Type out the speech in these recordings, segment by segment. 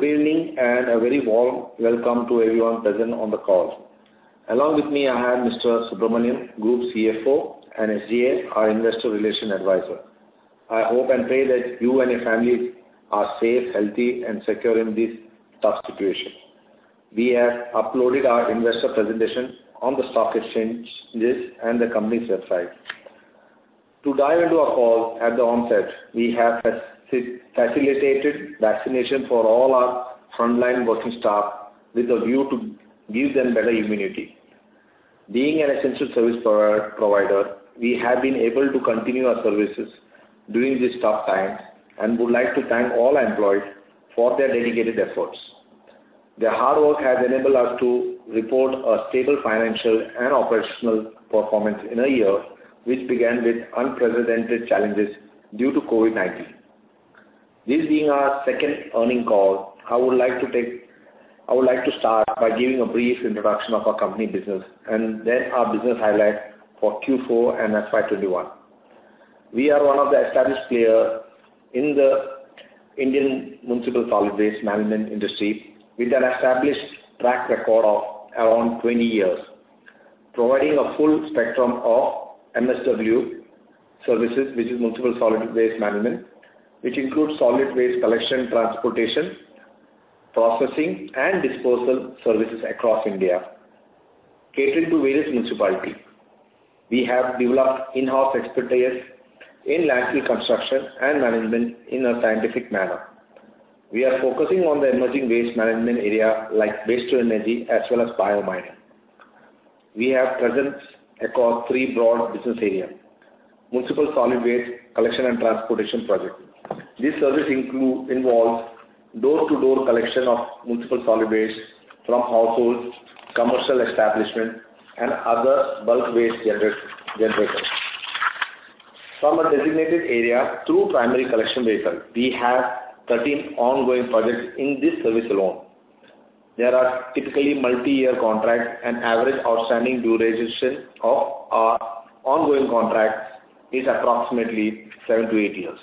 Good evening, a very warm welcome to everyone present on the call. Along with me, I have Mr. N.G. Subramanian, Group CFO, and SGA, our investor relations advisor. I hope and pray that you and your families are safe, healthy, and secure in this tough situation. We have uploaded our investor presentation on the stock exchange list and the company's website. To guide into our call, at the onset, we have facilitated vaccination for all our frontline working staff with a view to give them better immunity. Being an essential service provider, we have been able to continue our services during this tough time and would like to thank all employees for their dedicated efforts. Their hard work has enabled us to report a stable financial and operational performance in a year which began with unprecedented challenges due to COVID-19. This being our second earnings call, I would like to start by giving a brief introduction of our company business and then our business highlight for Q4 and FY 2021. We are one of the established players in the Indian municipal solid waste management industry with an established track record of around 20 years, providing a full spectrum of MSW services, which is municipal solid waste management, which includes solid waste collection, transportation, processing, and disposal services across India catering to various municipalities. We have developed in-house expertise in landfill construction and management in a scientific manner. We are focusing on the emerging waste management area like waste-to-energy as well as bio-mining. We have presence across three broad business areas. Municipal solid waste collection and transportation projects. This service involves door-to-door collection of municipal solid waste from households, commercial establishments, and other bulk waste generators from a designated area through primary collection vehicle. We have 13 ongoing projects in this service alone. There are typically multi-year contracts, and average outstanding duration of our ongoing contracts is approximately seven-eight years.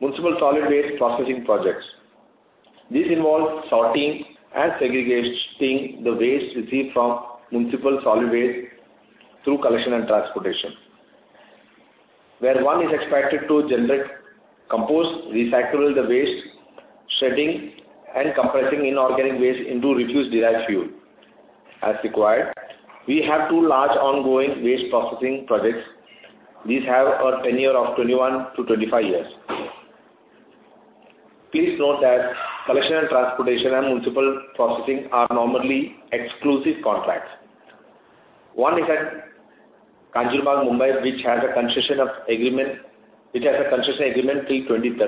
Municipal solid waste processing projects. This involves sorting and segregating the waste received from municipal solid waste through collection and transportation, where one is expected to generate compost, recyclable waste, shredding, and compressing inorganic waste into refused derived fuel as required. We have two large ongoing waste processing projects, which have a tenure of 21-25 years. Please note that collection and transportation and municipal processing are normally exclusive contracts. One is at Kanjurmarg, Mumbai, which has a concession agreement till 2036.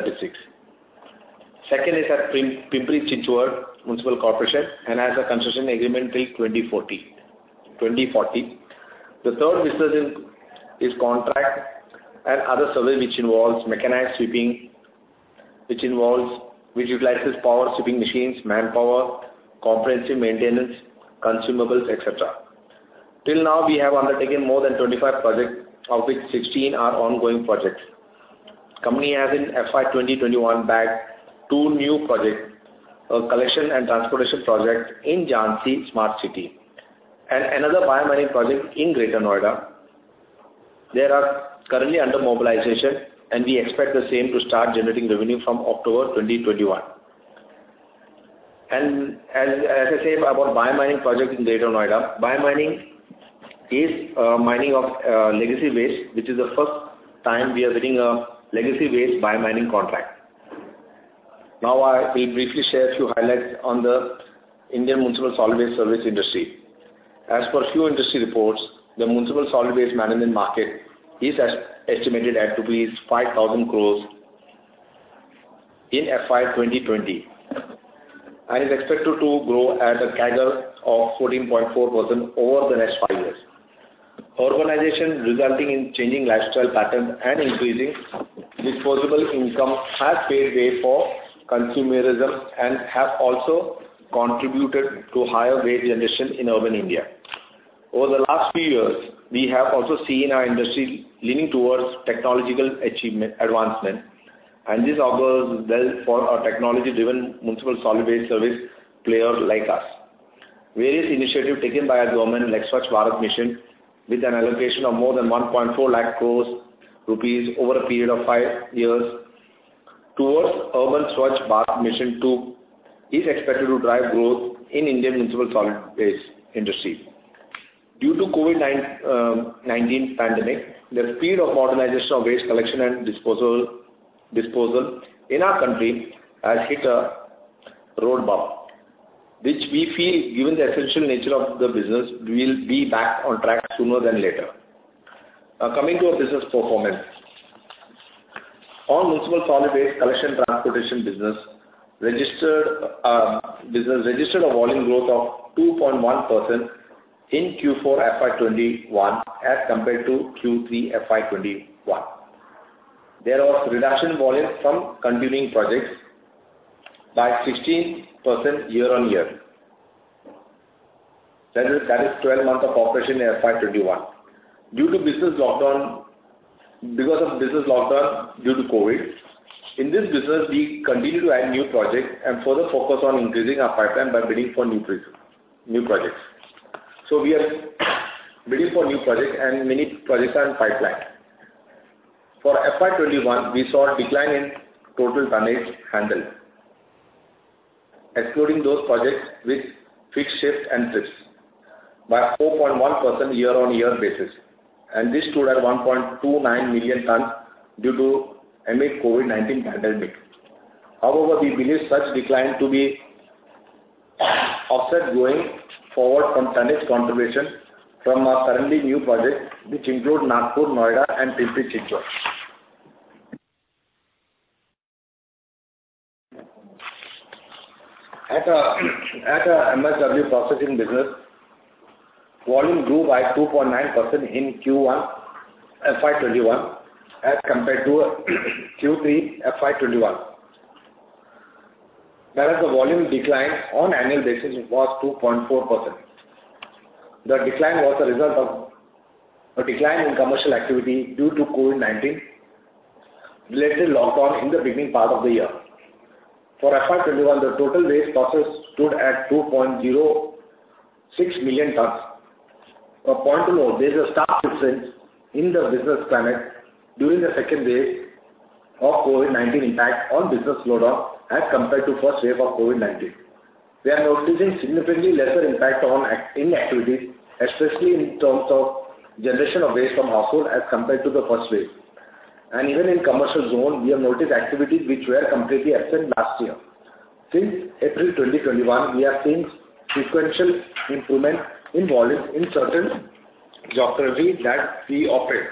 Second is at Pimpri-Chinchwad Municipal Corporation and has a concession agreement till 2040. The third business is contract and other services which involves mechanized sweeping, which utilizes power sweeping machines, manpower, comprehensive maintenance, consumables, et cetera. Till now, we have undertaken more than 25 projects, of which 16 are ongoing projects. The company has in FY 2021 bagged two new projects, a collection and transportation project in Jhansi Smart City and another bio-mining project in Greater Noida. They are currently under mobilization, and we expect the same to start generating revenue from October 2021. As I said about bio-mining project in Greater Noida, bio-mining is mining of legacy waste, which is the first time we are getting a legacy waste bio-mining contract. Now, I will briefly share a few highlights on the Indian municipal solid waste service industry. As per few industry reports, the municipal solid waste management market is estimated at 5,000 crores in FY 2020 and is expected to grow at a CAGR of 14.4% over the next five years. Urbanization resulting in changing lifestyle pattern and increasing disposable income has paved way for consumerism and have also contributed to higher waste generation in urban India. Over the last few years, we have also seen our industry leaning towards technological advancement, and this bodes well for our technology-driven municipal solid waste service players like us. Various initiatives taken by Government like Swachh Bharat Mission with an allocation of more than 1.4 lakh crores rupees over a period of five years towards Urban Swachh Bharat Mission too is expected to drive growth in Indian municipal solid waste industry. Due to COVID-19 pandemic, the speed of organization of waste collection and disposal in our country has hit a road bump, which we feel given the essential nature of the business, we will be back on track sooner than later. Coming to our business performance. Our municipal solid waste Collection & Transportation business registered a volume growth of 2.1% in Q4 FY 2021 as compared to Q3 FY 2021. There was reduction in volume from continuing projects by 16% year-on-year. That is 12 months of operation in FY 2021. Because of business loss due to COVID, in this business we continue to add new projects and further focus on increasing our pipeline by bidding for new projects. We are bidding for new projects and many projects are in pipeline. For FY 2021, we saw a decline in total tonnage handled, excluding those projects with fixed shifts and trips, by 4.1% year-on-year basis, and this stood at 1.29 million tons due to amid COVID-19 pandemic. However, we believe such decline to be offset going forward from tonnage contribution from our currently new projects, which include Nagpur, Noida and Pinjore, Chandigarh. As a MSW processing business, volume grew by 2.9% in Q1 FY 2021 as compared to Q3 FY 2021. That is the volume decline on annual basis was 2.4%. The decline was a result of a decline in commercial activity due to COVID-19 related lockdown in the beginning part of the year. For FY 2021, the total waste processed stood at 2.06 million tons. A point to note, there is a stark difference in the business climate during the second wave of COVID-19 impact on business load as compared to first wave of COVID-19. We are noticing significantly lesser impact in activity, especially in terms of generation of waste from households as compared to the first wave. Even in commercial zone, we have noticed activity which were completely absent last year. Since April 2021, we have seen sequential improvement in volumes in certain geographies that we operate.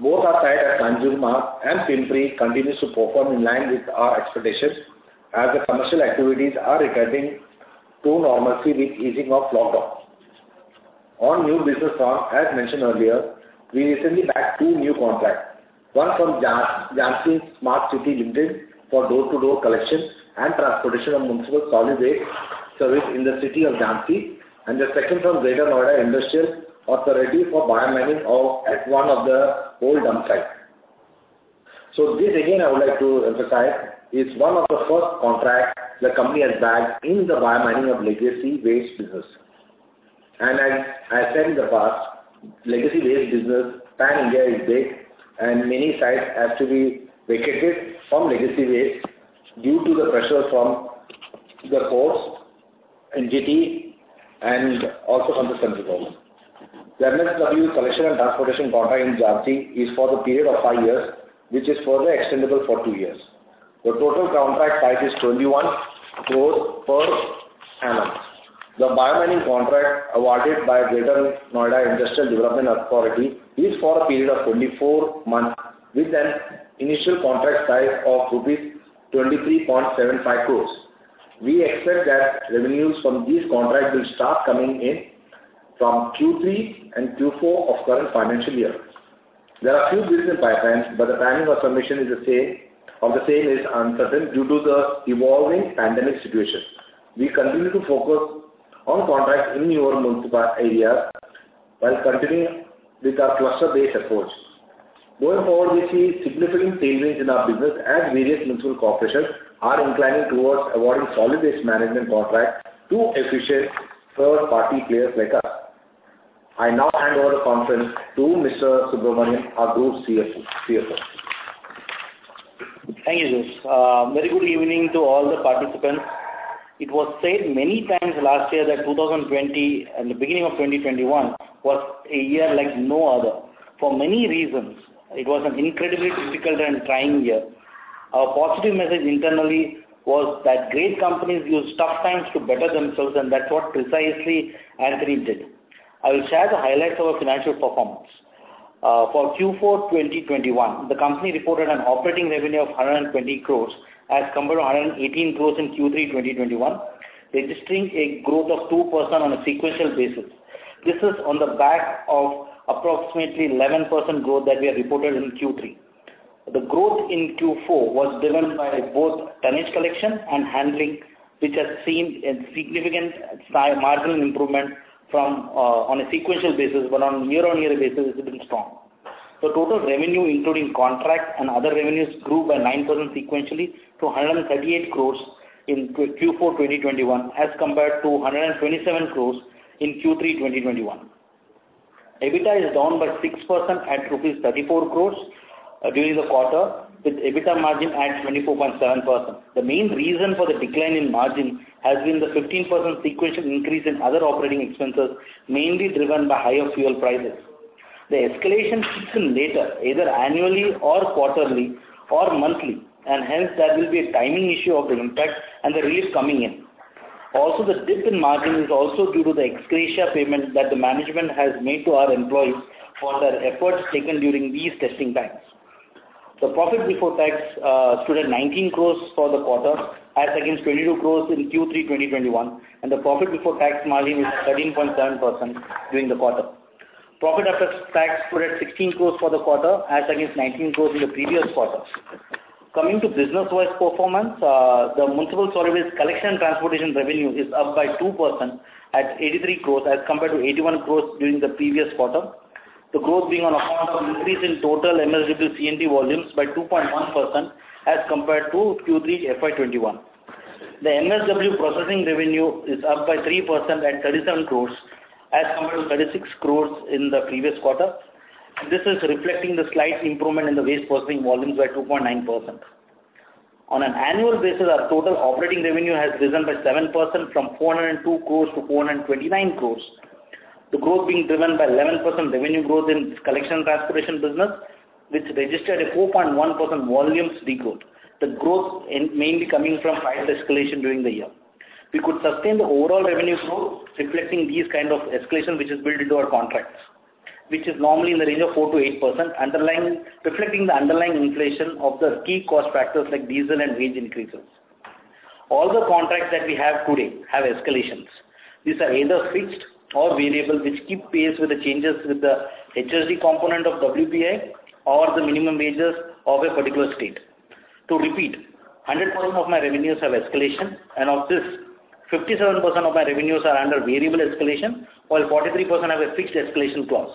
Both our sites at Thanjavur and Pinjore continue to perform in line with our expectations as the commercial activities are returning to normalcy with easing of lockdown. On new business front, as mentioned earlier, we recently bagged two new contracts. One from Jhansi Smart City Limited for door-to-door collection and transportation of municipal solid waste service in the city of Jhansi, and the second from Greater Noida Industrial Development Authority for bio-mining at one of the old dump sites. This again, I would like to emphasize, is one of the first contracts the company has bagged in the bio-mining of legacy waste business. As I said in the past, TAM area is big and many sites have to be vacated from legacy waste due to the pressure from the courts and GE and also from the Central Government. Jhansi's Collection & Transportation contract in Jhansi is for the period of five years, which is further extendable for two years. The total contract size is 21 million per annum. The bio-mining contract awarded by Greater Noida Industrial Development Authority is for a period of 24 months with an initial contract size of rupees 23.75 million. We expect that revenues from these contracts will start coming in from Q3 and Q4 of current financial year. There are few business pipelines, but the timing of summation of the same is uncertain due to the evolving pandemic situation. We continue to focus on contracts in newer municipal areas while continuing with our cluster-based approach. Going forward, we see significant change in our business as various municipal corporations are inclining towards awarding solid waste management contracts to efficient third-party players like us. I now hand over the conference to Mr. Subramaniam, our Group CFO. Thank you, Jose. Very good evening to all the participants. It was said many times last year that 2020 and the beginning of 2021 was a year like no other. For many reasons, it was an incredibly difficult and trying year. Our positive message internally was that great companies use tough times to better themselves, and that's what precisely Antony did. I will share the highlights of our financial performance. For Q4 2021, the company reported an operating revenue of 120 crores as compared to 118 crores in Q3 2021, registering a growth of 2% on a sequential basis. This is on the back of approximately 11% growth that we had reported in Q3. The growth in Q4 was driven by both tonnage collection and handling, which has seen a significant marginal improvement on a sequential basis, but on a year-on-year basis it's been strong. The total revenue including contracts and other revenues grew by 9% sequentially to 138 crores in Q4 2021 as compared to 127 crores in Q3 2021. EBITDA is down by 6% at rupees 34 crores during the quarter, with EBITDA margin at 24.7%. The main reason for the decline in margin has been the 15% sequential increase in other operating expenses, mainly driven by higher fuel prices. The escalation hits in later, either annually or quarterly or monthly, and hence that will be a timing issue of the impact and the release coming in. The dip in margin is also due to the ex gratia payment that the management has made to our employees for their efforts taken during these testing times. The profit before tax stood at 19 crores for the quarter as against 22 crores in Q3 2021, and the profit before tax margin is 17.7% during the quarter. Profit after tax stood at 16 crores for the quarter as against 19 crores in the previous quarter. Coming to business-wise performance, the municipal solid waste Collection & Transportation revenue is up by 2% at 83 crores as compared to 81 crores during the previous quarter. The growth being on account of increase in total MSW C&D volumes by 2.1% as compared to Q3 FY 2021. The MSW Processing revenue is up by 3% at 37 crores as compared to 36 crores in the previous quarter. This is reflecting the slight improvement in the waste processing volumes by 2.9%. On an annual basis, our total operating revenue has risen by 7% from 402 crores to 429 crores. The growth being driven by 11% revenue growth in Collection & Transportation business, which registered a 4.1% volumes de-growth. The growth mainly coming from higher escalation during the year. We could sustain the overall revenue growth reflecting these kind of escalation which is built into our contracts, which is normally in the range of 4%-8%, reflecting the underlying inflation of the key cost factors like diesel and wage increases. All the contracts that we have today have escalations. These are either fixed or variable, which keep pace with the changes with the HSD component of WPI or the minimum wages of a particular state. To repeat, 100% of my revenues have escalation and of this, 57% of my revenues are under variable escalation, while 43% have a fixed escalation clause.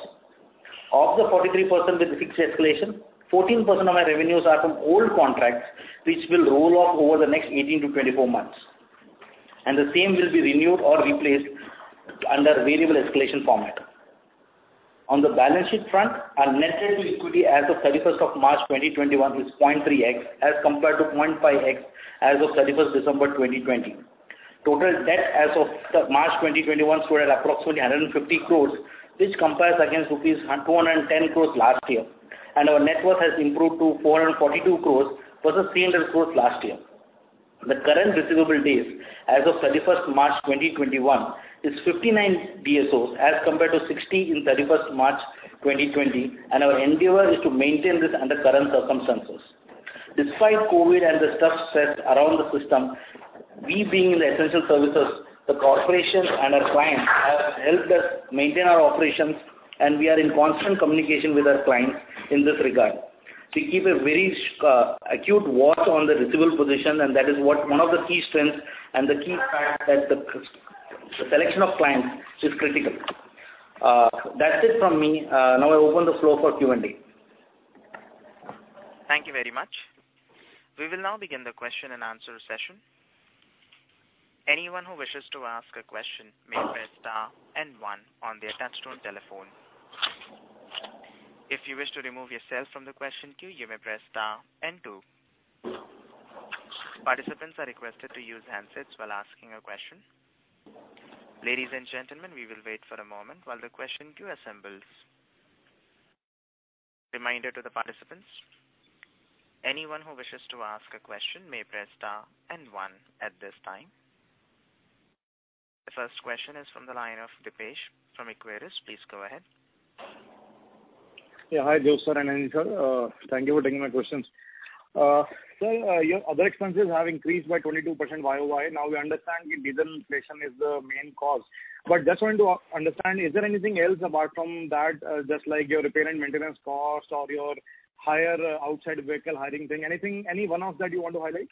Of the 43% with fixed escalation, 14% of my revenues are from old contracts which will roll off over the next 18-24 months. The same will be renewed or replaced under variable escalation format. On the balance sheet front, our net asset equity as of 31st of March 2021 is 0.3x as compared to 0.5x as of 31st December 2020. Total debt as of March 2021 stood at approximately 150 crores, which compares against rupees 210 crores last year. Our net worth has improved to 442 crores versus 300 crores last year. The current receivable days as of 31st March 2021 is 59 DSOs as compared to 60 in 31st March 2020, and our endeavor is to maintain this under current circumstances. Despite COVID and the tough set around the system, we being in the essential services, the corporation and our clients have helped us maintain our operations and we are in constant communication with our clients in this regard. We keep a very acute watch on the receivable position and that is one of the key strengths and the key fact that the selection of clients is critical. That's it from me. I open the floor for Q&A. Thank you very much. We will now begin the question and answer session. Anyone who wishes to ask a question may press star and one on their touch-tone telephone. If you wish to remove yourself from the question queue, you may press star and two. Participants are requested to use handsets while asking a question. Ladies and gentlemen, we will wait for a moment while the question queue assembles. Reminder to the participants, anyone who wishes to ask a question may press star and one at this time. The first question is from the line of Dipesh from Equirus. Please go ahead. Hi, Jose sir and Andy sir. Thank you for taking my questions. Sir, your other expenses have increased by 22% YoY. We understand diesel inflation is the main cause, just wanted to understand, is there anything else apart from that, just like your repair and maintenance cost or your higher outside vehicle hiring thing? Anything, any one of that you want to highlight?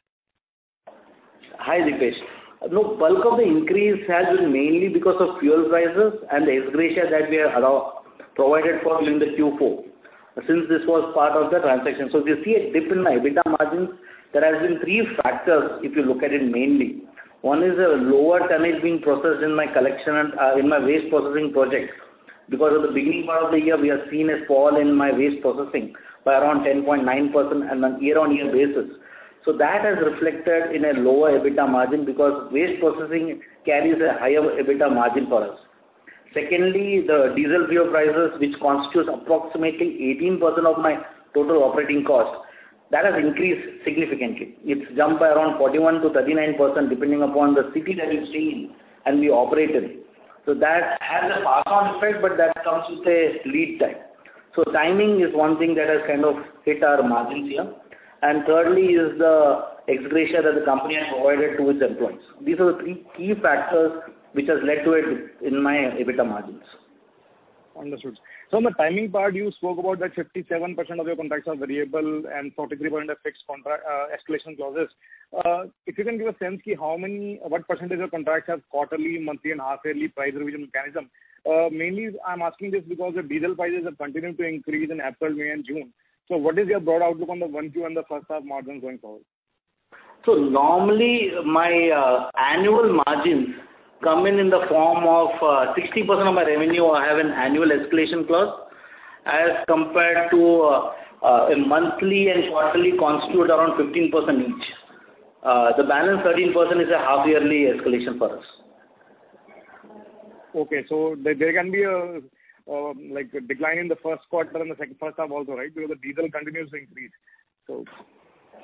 Hi, Dipesh. Bulk of the increase has been mainly because of fuel prices and the ex gratia that we have provided for during the Q4, since this was part of the transaction. You see a dip in my EBITDA margins. There has been three factors if you look at it mainly. One is a lower tonnage being processed in my waste processing projects. Because of the beginning part of the year, we have seen a fall in my waste processing by around 10.9% on a year-over-year basis. That has reflected in a lower EBITDA margin because waste processing carries a higher EBITDA margin for us. Secondly, the diesel fuel prices which constitutes approximately 18% of my total operating cost, that has increased significantly. It's jumped by around 41% to 39% depending upon the city that it's in and we operate in. That has a pass-on effect, but that comes with a lead time. Timing is one thing that has kind of hit our margins here. Thirdly is the ex gratia that the company has provided to its employees. These are the three key factors which has led to a dip in my EBITDA margins. Understood. In the timing part, you spoke about that 57% of your contracts are variable and 43% are fixed escalation clauses. If you can give a sense what percentage of contracts have quarterly, monthly, and half-yearly price revision mechanism? Mainly I'm asking this because the diesel prices have continued to increase in April, May, and June. What is your broad outlook on the one view on the first half margins going forward? Normally my annual margins come in the form of 60% of my revenue I have in annual escalation clause as compared to a monthly and quarterly constitute around 15% each. The balance 13% is a half-yearly escalation for us. Okay. There can be a decline in the first quarter and the first half also, right? Because the diesel continues to increase.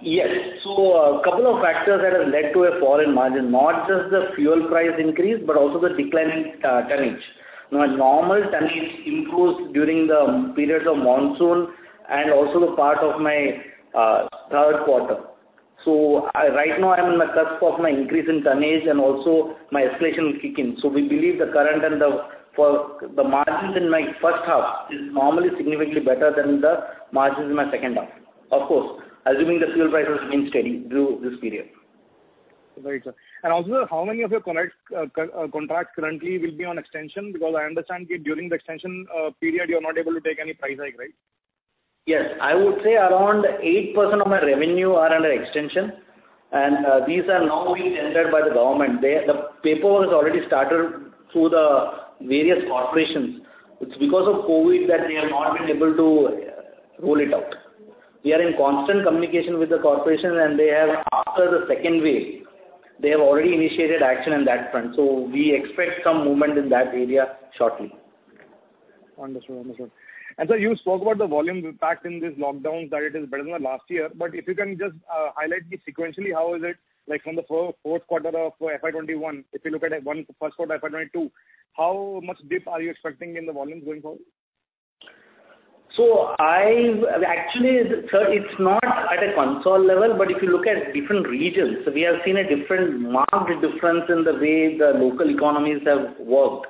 Yes. A couple of factors that have led to a fall in margin, not just the fuel price increase, but also the decline in tonnage. A normal tonnage improves during the periods of monsoon and also the part of my third quarter. Right now I'm on the cusp of my increase in tonnage and also my escalation will kick in. We believe the margins in my first half is normally significantly better than the margins in my second half. Of course, assuming the fuel prices remain steady through this period. Right, sir. Also, how many of your contracts currently will be on extension? Because I understand during the extension period, you're not able to take any price hike, right? Yes. I would say around 8% of my revenue are under extension. These are now being tended by the government. The paper has already started through the various corporations. It's because of COVID that they have not been able to roll it out. We are in constant communication with the corporation and after the second wave, they have already initiated action on that front. We expect some movement in that area shortly. Understood. Sir, you spoke about the volume impact in this lockdown, that it is better than the last year. If you can just highlight sequentially, how is it like from the fourth quarter of FY 2021, if you look at first quarter FY 2022, how much dip are you expecting in the volumes going forward? Actually, sir, it's not at a console level, but if you look at different regions, we have seen a marked difference in the way the local economies have worked.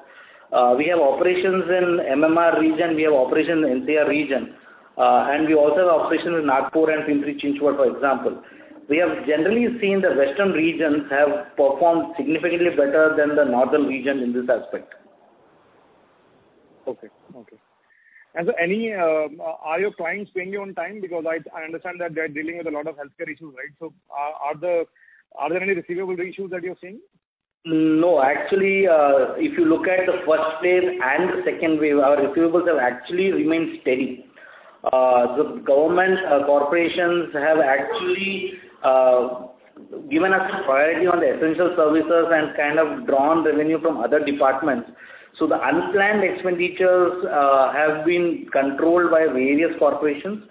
We have operations in MMR region, we have operations in NCR region, and we also have operations in Nagpur and Pimpri-Chinchwad, for example. We have generally seen the western regions have performed significantly better than the northern region in this aspect. Okay. Sir, are your clients paying you on time? I understand that they're dealing with a lot of healthcare issues, right? Are there any receivable issues that you're seeing? No. Actually, if you look at the first wave and the second wave, our receivables have actually remained steady. The government corporations have actually given us priority on the essential services and kind of drawn revenue from other departments. The unplanned expenditures have been controlled by various corporations.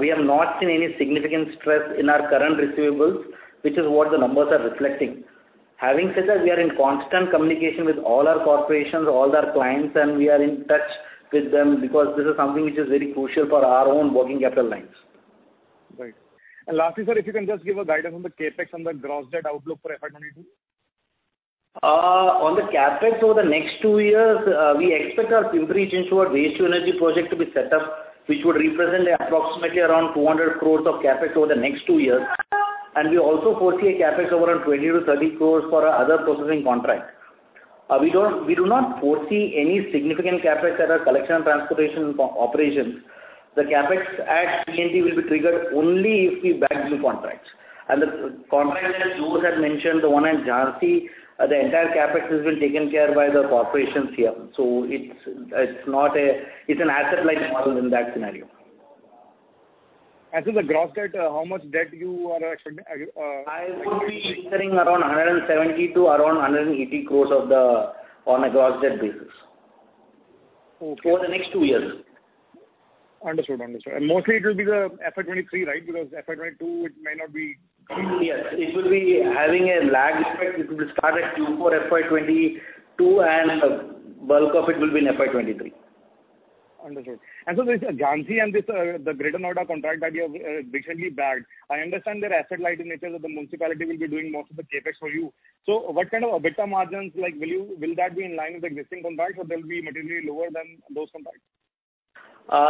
We have not seen any significant stress in our current receivables, which is what the numbers are reflecting. Having said that, we are in constant communication with all our corporations, all our clients, and we are in touch with them because this is something which is very crucial for our own working capital lines. Right. Lastly, sir, if you can just give a guidance on the CapEx and the gross debt outlook for FY 2022. On the CapEx over the next two years, we expect our Pimpri-Chinchwad waste to energy project to be set up, which would represent approximately around 200 crores of CapEx over the next two years. We also foresee a CapEx over around 20 crores-30 crores for our other processing contract. We do not foresee any significant CapEx at our collection and transportation operations. The CapEx at P&T will be triggered only if we bag new contracts. The contracts that Jose had mentioned, the one at Jhansi, the entire CapEx has been taken care of by the corporations here. It's an asset-light model in that scenario. Sir, the gross debt, how much debt you are expecting? I would be entering around 170 crores to around 180 crores on a gross debt basis. Okay. Over the next two years. Understood. Mostly it will be the FY 2023, right? Because FY 2022, it may not be- Yes. It will be having a lag effect. It will start at Q4 FY 2022 and bulk of it will be in FY 2023. Understood. There's Jhansi and the Greater Noida contract that you have recently bagged. I understand they're asset-light in nature, so the municipality will be doing most of the CapEx for you. What kind of EBITDA margins, will that be in line with the existing contracts or they'll be materially lower than those contracts?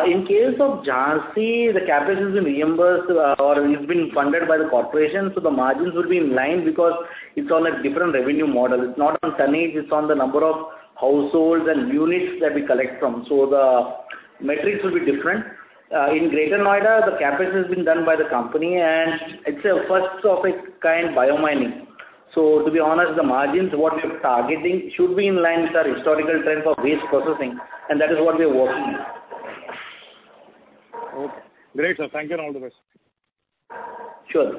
In case of Jhansi, the CapEx has been reimbursed or it's been funded by the corporation, so the margins will be in line because it's on a different revenue model. It's not on tonnage, it's on the number of households and units that we collect from. The metrics will be different. In Greater Noida, the CapEx has been done by the company, and it's a first of its kind biomining. To be honest, the margins, what we're targeting should be in line with our historical trend for waste processing, and that is what we are working on. Okay. Great, sir. Thank you, and all the best. Sure.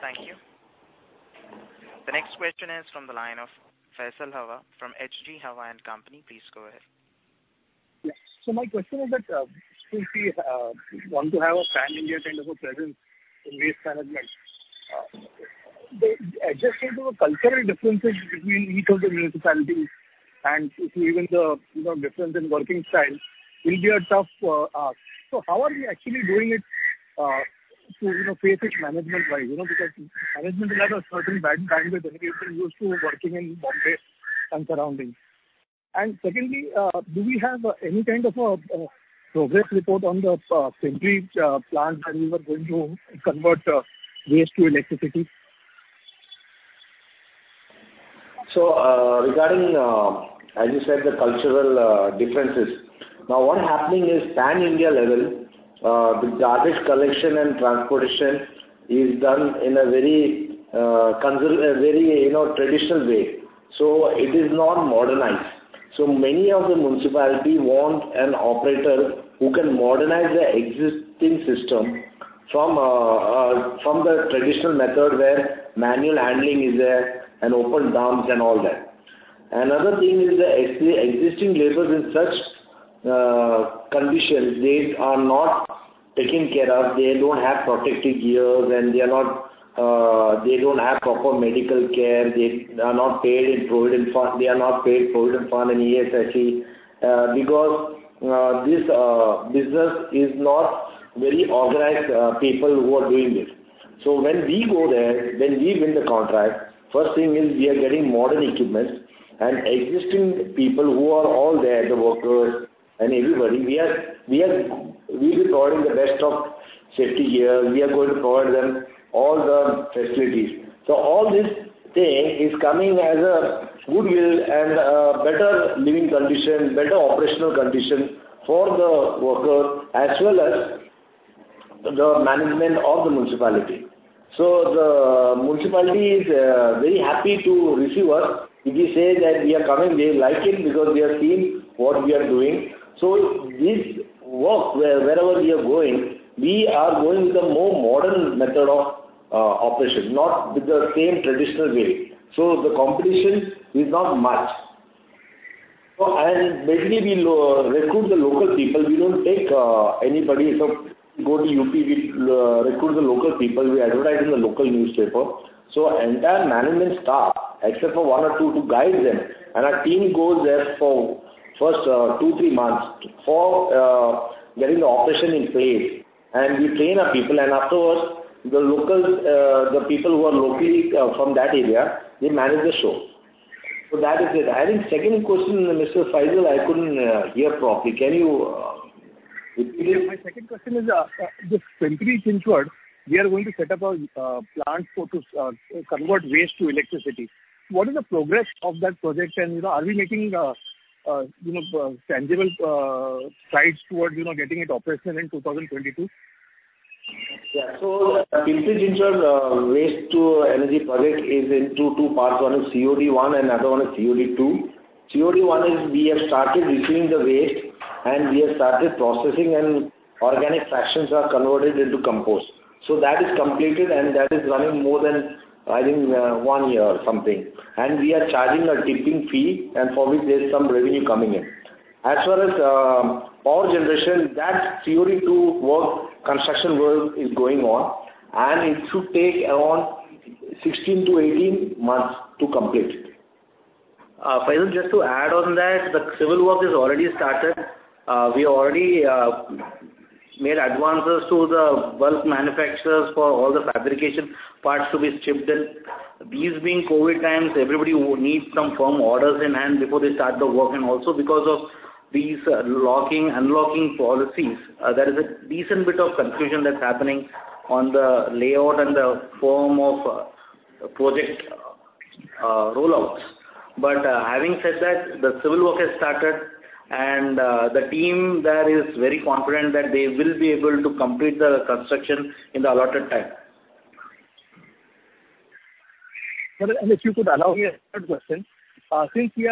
Thank you. The next question is from the line of Faisal Hawa from H.G. Hawa & Co. Please go ahead. Yes. My question is that, Pimpri want to have a pan-India kind of a presence in waste management. Adjusting to the cultural differences between each of the municipalities and even the difference in working styles will be a tough ask. How are we actually doing it to face it management-wise? Because management will have a certain bandwidth and we have been used to working in Bombay and surroundings. Secondly, do we have any kind of a progress report on the Pimpri plant that we were going to convert waste to electricity? Regarding, as you said, the cultural differences. What's happening is pan-India level, the garbage collection and transportation is done in a very traditional way. It is not modernized. Many of the municipality want an operator who can modernize their existing system from the traditional method where manual handling is there and open dumps and all that. Another thing is the existing laborers in such conditions, they are not taken care of. They don't have protective gears. They don't have proper medical care. They are not paid provident fund and ESIC, because this business is not very organized people who are doing it. When we go there, when we win the contract, first thing is we are getting modern equipment and existing people who are all there, the workers and everybody, we will provide the best of safety gear. We are going to provide them all the facilities. All these things is coming as a good yield and a better living condition, better operational condition for the worker as well as the management of the municipality. The municipality is very happy to receive us. If we say that we are coming, they like it because they have seen what we are doing. This work, wherever we are going, we are going with a more modern method of operation, not with the same traditional way. The competition is not much. Mainly we recruit the local people. We don't take anybody. If we go to U.P., we recruit the local people. We advertise in the local newspaper. Entire management staff, except for one or two to guide them. Our team goes there for first two, three months for getting the operation in place. We train our people. Afterwards, the people who are locally from that area, they manage the show. That is it. The second question, Mr. Faisal, I couldn't hear properly. Can you repeat it? My second question is, the Pimpri-Chinchwad, we are going to set up a plant to convert waste to electricity. What is the progress of that project? Are we making tangible strides towards getting it operational in 2022? Antony Waste waste to energy project is into two parts. One is COD 1 and another one is COD 2. COD 1 is we have started receiving the waste, and we have started processing, and organic fractions are converted into compost. That is completed, and that is running more than, I think, one year or something. We are charging a tipping fee, and for which there's some revenue coming in. As far as power generation, that COD 2 work, construction work is going on, and it should take around 16-18 months to complete. Faisal, just to add on that, the civil work is already started. We already made advances to the bulk manufacturers for all the fabrication parts to be shipped in. These being COVID times, everybody needs some firm orders in hand before they start the work, and also because of these locking, unlocking policies, there is a decent bit of confusion that's happening on the layout and the firm of project rollouts. Having said that, the civil work has started, and the team there is very confident that they will be able to complete the construction in the allotted time. Yes, Shripad. I have a third question. Since we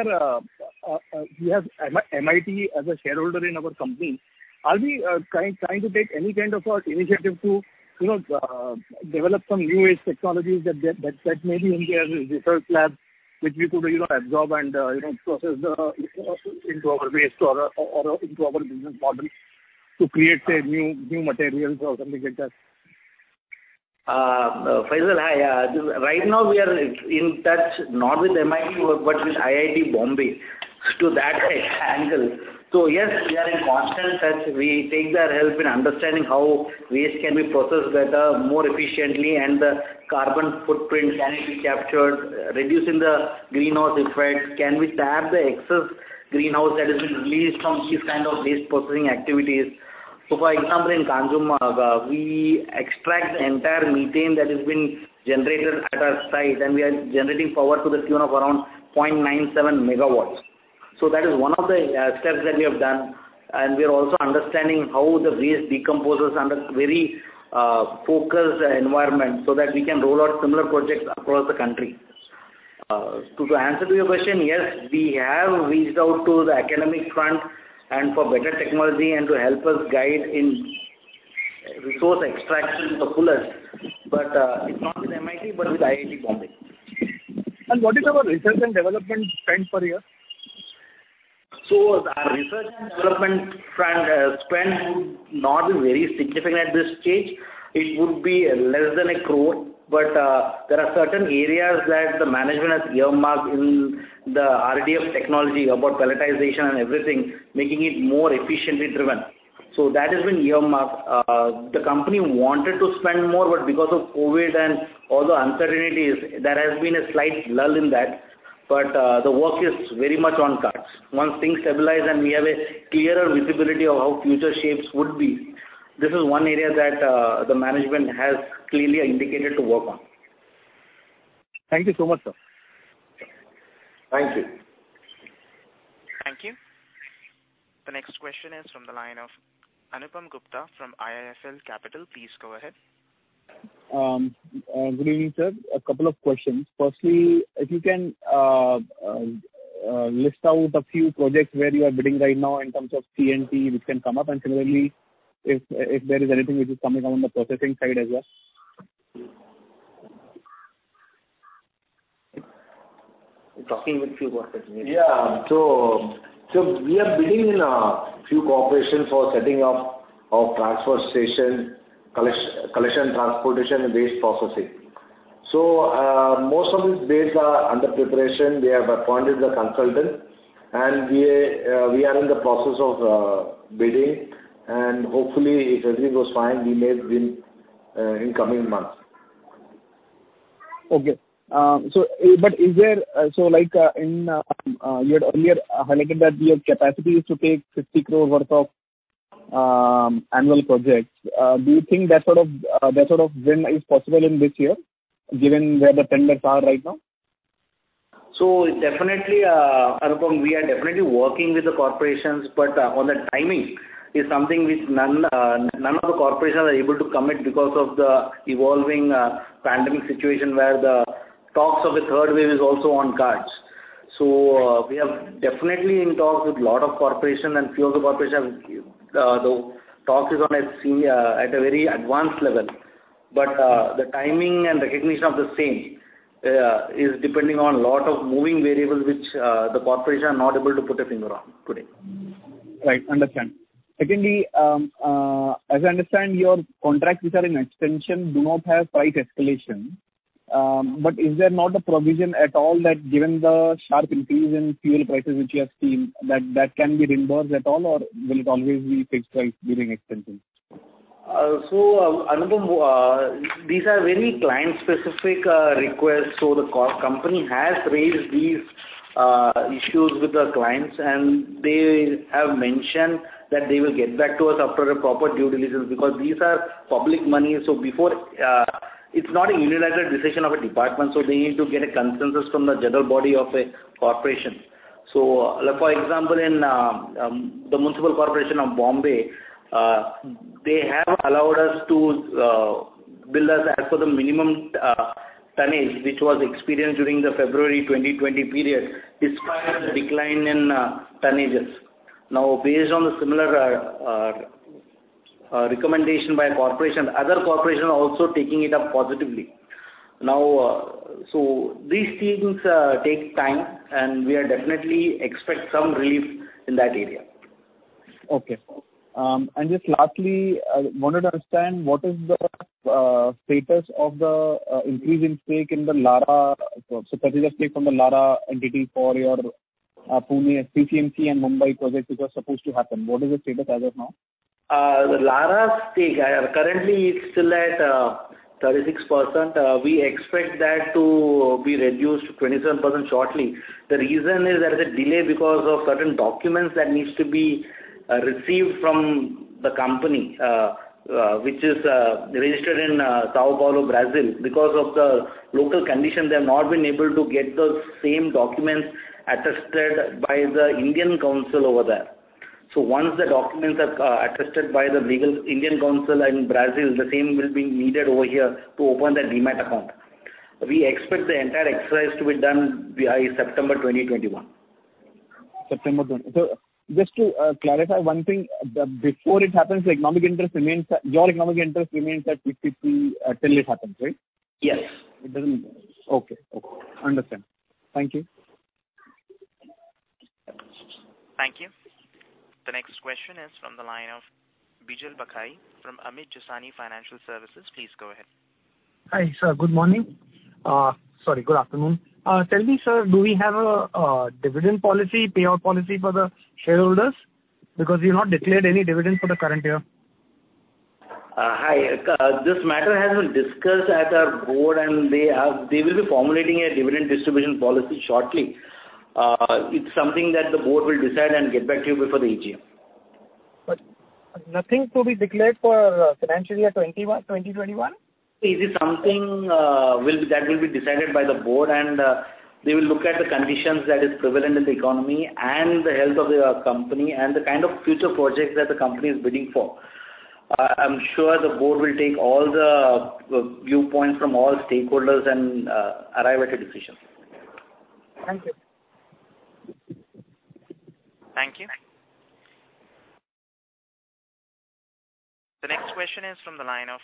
have MIT as a shareholder in our company, are we trying to take any kind of initiative to develop some new age technologies that maybe in their research lab, which we could absorb and process into our waste or into our business model to create new materials or something like that? Faisal, right now we are in touch not with MIT but with IIT Bombay to that angle. Yes, we are in constant touch. We take their help in understanding how waste can be processed better, more efficiently, and the carbon footprint, energy captured, reducing the greenhouse effect. Can we tap the excess greenhouse that is released from this kind of waste processing activities? For example, in Kanjurmarg, we extract the entire methane that is being generated at our site, and we are generating power to the tune of around 0.97 MW. That is one of the steps that we have done, and we are also understanding how the waste decomposes under very focused environment so that we can roll out similar projects across the country. To answer your question, yes, we have reached out to the academic front and for better technology and to help us guide in resource extraction surplus, but not with MIT but with IIT Bombay. What is our research and development spend per year? Our research and development spend would not be very significant at this stage. It would be less than 1 crore, but there are certain areas that the management has earmarked in the RDF technology about pelletization and everything, making it more efficiently driven. That has been earmarked. The company wanted to spend more, but because of COVID and all the uncertainties, there has been a slight lull in that, but the work is very much on cards. Once things stabilize and we have a clearer visibility of how future shapes would be, this is one area that the management has clearly indicated to work on. Thank you so much, sir. Thank you. Thank you. The next question is from the line of Anupam Gupta from IIFL Capital. Please go ahead. Good evening, sir. A couple of questions. Firstly, if you can list out a few projects where you are bidding right now in terms of C&T which can come up and really if there is anything which is coming on the Processing side as well? Talking with few corporations. Yeah. We are bidding in a few corporations for setting up of transfer station, collection, transportation, and waste processing. Most of these bids are under preparation. We have appointed the consultant, and we are in the process of bidding. Hopefully, if everything goes fine, we may win in coming months. Okay. You had earlier highlighted that your capacity is to take 50 crore worth of annual projects. Do you think that sort of win is possible in this year given where the tenders are right now? Definitely, Anupam, we are definitely working with the corporations, but on the timing is something which none of the corporations are able to commit because of the evolving pandemic situation where the talks of the third wave is also on cards. We are definitely in talks with a lot of corporation and few of the corporation, the talk is on at a very advanced level. The timing and recognition of the same is depending on a lot of moving variables, which the corporation are not able to put a finger on today. Right. Understand. Secondly, as I understand, your contracts which are in extension do not have price escalation. Is there not a provision at all that given the sharp increase in fuel prices which you have seen, that can be reimbursed at all, or will it always be fixed price during extension? Anupam, these are very client-specific requests. The company has raised these issues with the clients, and they have mentioned that they will get back to us after a proper due diligence because these are public money. It's not a unilateral decision of a department, so they need to get a consensus from the general body of a corporation. For example, in the Municipal Corporation of Greater Mumbai, they have allowed us to bill as per the minimum tonnage, which was experienced during the February 2020 period, despite the decline in tonnages. Based on the similar recommendation by corporation, other corporation are also taking it up positively. These things take time, and we definitely expect some relief in that area. Okay. Just lastly, I wanted to understand what is the status of the increase in stake from the Lara entity for your Pune PCMC and Mumbai projects, which was supposed to happen. What is the status as of now? The Lara stake currently is still at 36%. We expect that to be reduced to 27% shortly. The reason is there is a delay because of certain documents that needs to be received from the company, which is registered in São Paulo, Brazil. Because of the local condition, they have not been able to get those same documents attested by the Indian Council over there. Once the documents are attested by the Indian Council in Brazil, the same will be needed over here to open the Demat account. We expect the entire exercise to be done by September 2021. September 2021. Just to clarify one thing, before it happens, your economic interest remains at 50/50 until it happens, right? Yes. Okay. Understand. Thank you. Thank you. The next question is from the line of Bijal Bakhai from Amit Jesani Financial Services. Please go ahead. Hi. Sir, good morning. Sorry, good afternoon. Tell me, sir, do we have a dividend policy, payout policy for the shareholders because you have not declared any dividend for the current year? Hi. This matter has been discussed at our board, and they will be formulating a dividend distribution policy shortly. It's something that the board will decide and get back to you before the AGM. Nothing to be declared for financial year 2021? It is something that will be decided by the board. They will look at the conditions that is prevalent in the economy and the health of the company and the kind of future projects that the company is bidding for. I'm sure the board will take all the viewpoints from all stakeholders and arrive at a decision. Thank you. Thank you. The next question is from the line of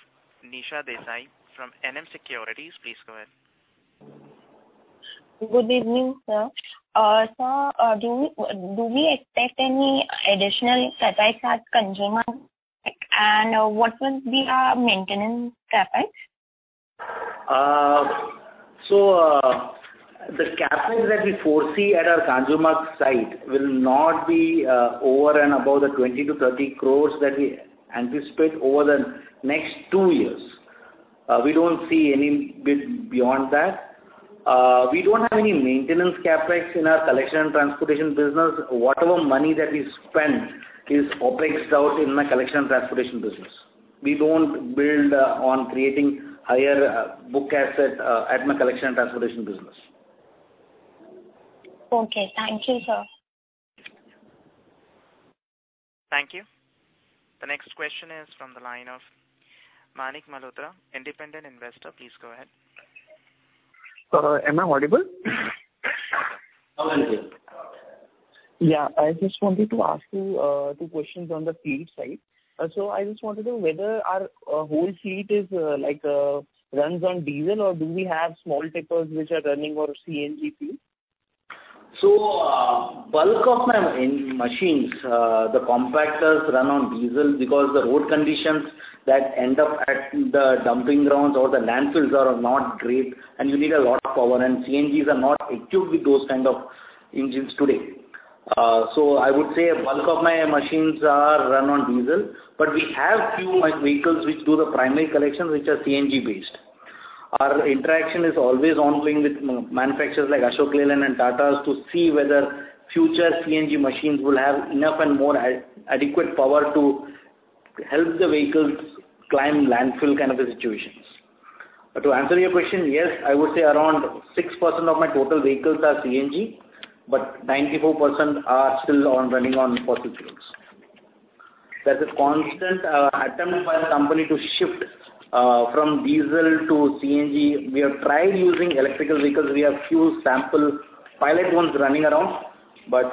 Nisha Desai from NM Securities. Please go ahead. Good evening, sir. Sir, do we expect any additional CapEx at Kanjurmarg? What will be our maintenance CapEx? The CapEx that we foresee at our Kanjurmarg site will not be over and above the 20 crore-30 crore that we anticipate over the next two years. We don't see any bid beyond that. We don't have any maintenance CapEx in our Collection and Transportation business. Whatever money that we spend is OpEx-ed out in my Collection and Transportation business. We don't build on creating higher book asset at my Collection and Transportation business. Okay. Thank you, sir. Thank you. The next question is from the line of Manik Malhotra, Independent Investor. Please go ahead. Sir, am I audible? I just wanted to ask you two questions on the fleet side. I just wanted to know whether our whole fleet runs on diesel, or do we have small tippers which are running on CNG fuel? Bulk of my machines, the compactors run on diesel because the road conditions that end up at the dumping grounds or the landfills are not great, and you need a lot of power, and CNGs are not equipped with those kind of engines today. I would say bulk of my machines run on diesel. We have few vehicles which do the primary collection, which are CNG based. Our interaction is always ongoing with manufacturers like Ashok Leyland and Tata to see whether future CNG machines will have enough and more adequate power to help the vehicles climb landfill kind of a situations. To answer your question, yes, I would say around 6% of my total vehicles are CNG, but 94% are still running on fossil fuels. There's a constant attempt by the company to shift from diesel to CNG. We have tried using electrical vehicles. We have few sample pilot ones running around, but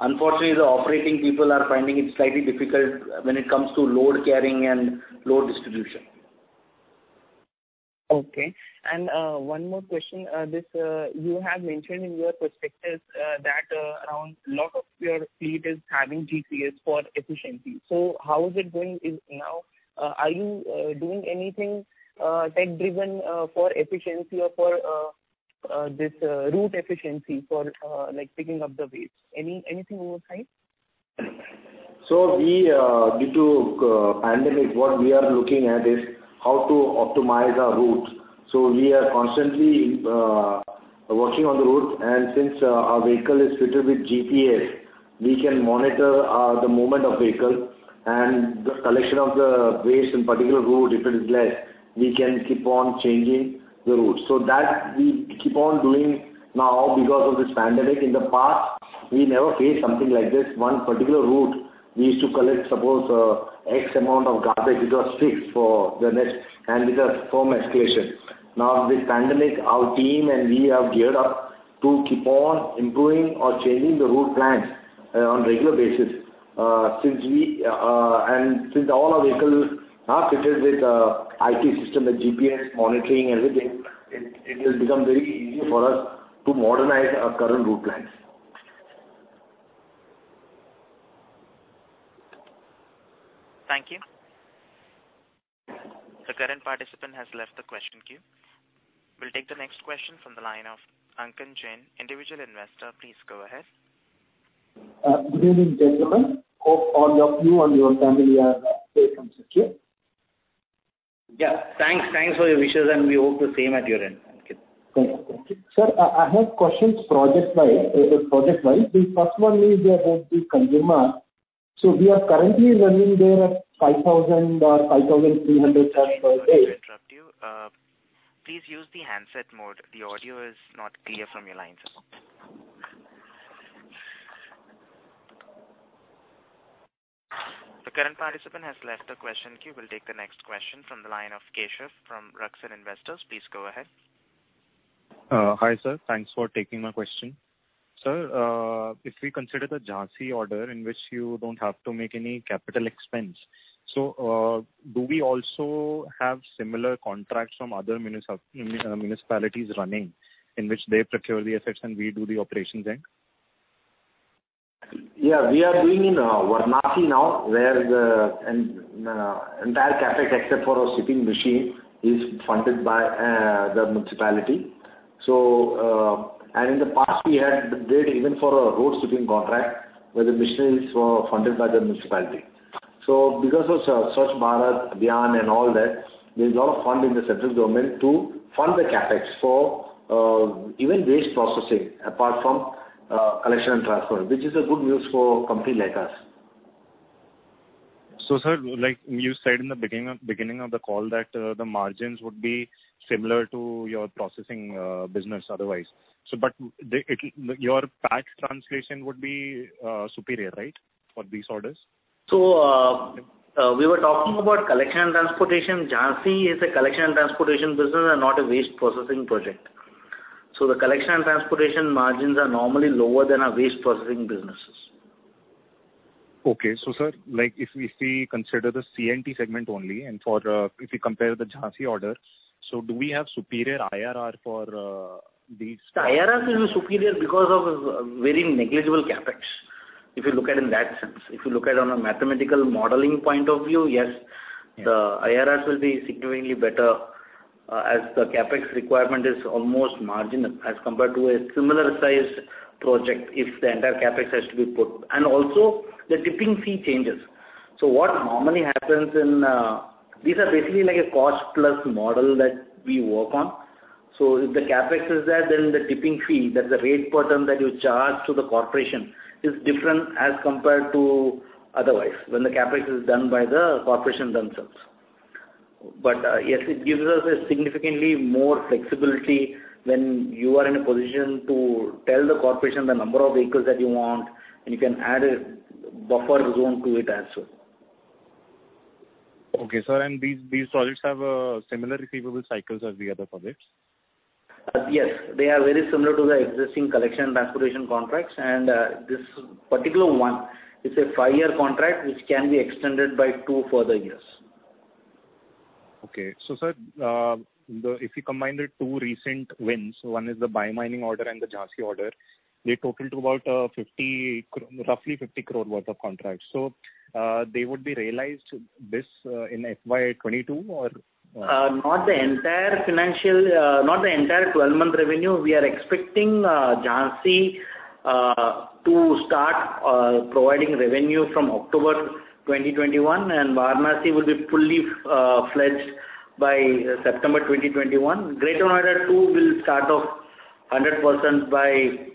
unfortunately, the operating people are finding it slightly difficult when it comes to load carrying and load distribution. Okay. One more question. You have mentioned in your prospectus that around lot of your fleet is having GPS for efficiency. How is it going now? Are you doing anything tech-driven for efficiency or for this route efficiency for picking up the waste? Anything on your side? Due to pandemic, what we are looking at is how to optimize our routes. We are constantly working on the routes, and since our vehicle is fitted with GPS, we can monitor the movement of vehicle and the collection of the waste in one particular route, if it is less, we can keep on changing the route. That we keep on doing now because of this pandemic. In the past, we never faced something like this. One particular route we used to collect, suppose X amount of garbage, it was fixed for the next, and with a firm escalation. With this pandemic, our team and we have geared up to keep on improving or changing the route plans on regular basis. Since all our vehicles are fitted with IT system, the GPS monitoring, everything, it will become very easy for us to modernize our current route plans. Thank you. The current participant has left the question queue. We'll take the next question from the line of Ankan Jain, Individual Investor. Please go ahead. Good evening, gentlemen. Hope all of you and your family are safe and secure. Yeah. Thanks for your wishes, and we hope the same at your end, Ankan. Thank you. Sir, I have questions project-wise. The first one is about the Kanjurmarg. We are currently running there at 5,000 or 5,300 tons per day. Sorry to interrupt you. Please use the handset mode. The audio is not clear from your line, sir. We'll take the next question from the line of Keshav from Rakshan Investors. Please go ahead. Hi, sir. Thanks for taking my question. Sir, if we consider the Jhansi order in which you don't have to make any capital expense, do we also have similar contracts from other municipalities running, in which they procure the assets and we do the operations end? Yeah. We are doing in Varanasi now, where the entire CapEx except for a tipping machine is funded by the municipality. In the past we had bid even for a road sweeping contract where the machines were funded by the municipality. Because of Swachh Bharat Abhiyan and all that, there's a lot of fund in the central government to fund the CapEx for even waste processing apart from collection and transfer, which is a good news for company like us. Sir, like you said in the beginning of the call that the margins would be similar to your processing business otherwise. Your tax translation would be superior, right? For these orders. We were talking about collection and transportation. Jhansi is a collection and transportation business and not a waste processing project. The collection and transportation margins are normally lower than our waste processing businesses. Okay. Sir, if we consider the C&T segment only, if we compare the Jhansi order, do we have superior IRR for these? IRR will be superior because of very negligible CapEx, if you look at in that sense. If you look at on a mathematical modeling point of view, yes, the IRRs will be significantly better as the CapEx requirement is almost marginal as compared to a similar size project if the entire CapEx has to be put. Also the tipping fee changes. What normally happens in These are basically like a cost plus model that we work on. If the CapEx is there, then the tipping fee, that's the rate per ton that you charge to the corporation, is different as compared to otherwise, when the CapEx is done by the corporation themselves. Yes, it gives us a significantly more flexibility when you are in a position to tell the corporation the number of vehicles that you want, and you can add a buffer zone to it as well. Okay, sir. These projects have similar receivable cycles as the other projects? Yes. They are very similar to the existing collection transportation contracts. This particular one is a five-year contract, which can be extended by two further years. Okay. Sir, if you combine the two recent wins, one is the bio-mining order and the Jhansi order, they total to about roughly 50 crore worth of contracts. They would be realized this in FY 2022 or? Not the entire 12-month revenue. We are expecting Jhansi to start providing revenue from October 2021, and Varanasi will be fully fledged by September 2021. Greater Noida 2 will start off 100% by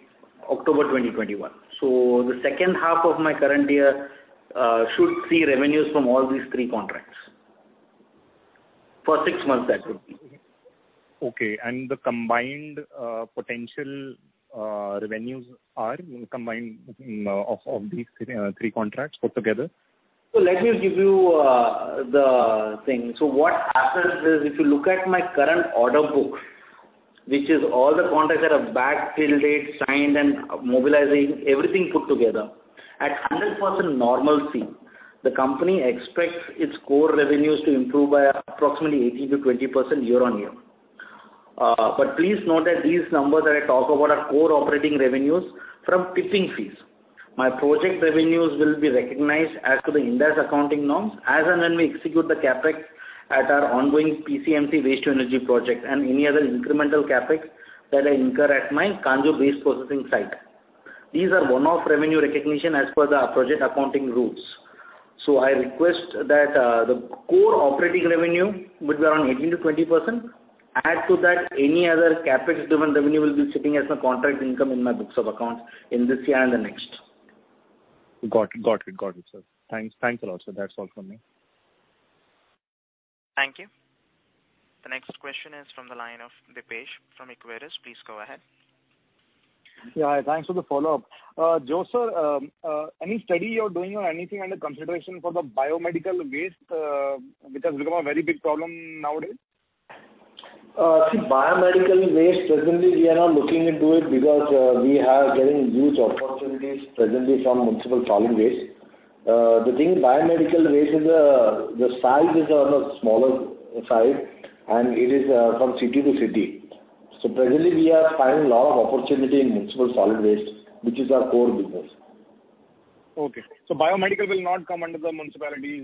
October 2021. The second half of my current year should see revenues from all these three contracts. For six months, that would be. Okay. The combined potential revenues are combined of these three contracts put together? Let me give you the thing. What happens is, if you look at my current order book, which is all the contracts that are backfilled, dated, signed, and mobilizing, everything put together. At 100% normalcy, the company expects its core revenues to improve by approximately 18%-20% year on year. Please note that these numbers that I talk about are core operating revenues from tipping fees. My project revenues will be recognized as to the Ind AS accounting norms as and when we execute the CapEx at our ongoing PCMC waste to energy project and any other incremental CapEx that I incur at my Kanjur waste processing site. These are one-off revenue recognition as per the project accounting routes. I request that the core operating revenue will be around 18%-20%. Add to that any other CapEx-driven revenue will be sitting as my contract income in my books of accounts in this year and the next. Got it, sir. Thanks a lot, sir. That's all from me. Thank you. The next question is from the line of Dipesh from Equirus. Please go ahead. Yeah. Thanks for the follow-up. Joe, sir, any study you're doing or anything under consideration for the biomedical waste, which has become a very big problem nowadays? Biomedical waste, presently we are not looking into it because we are getting huge opportunities presently from municipal solid waste. The thing, biomedical waste, the size is on a smaller size, and it is from city to city. Presently we are finding lot of opportunity in municipal solid waste, which is our core business. Okay. Biomedical will not come under the municipalities.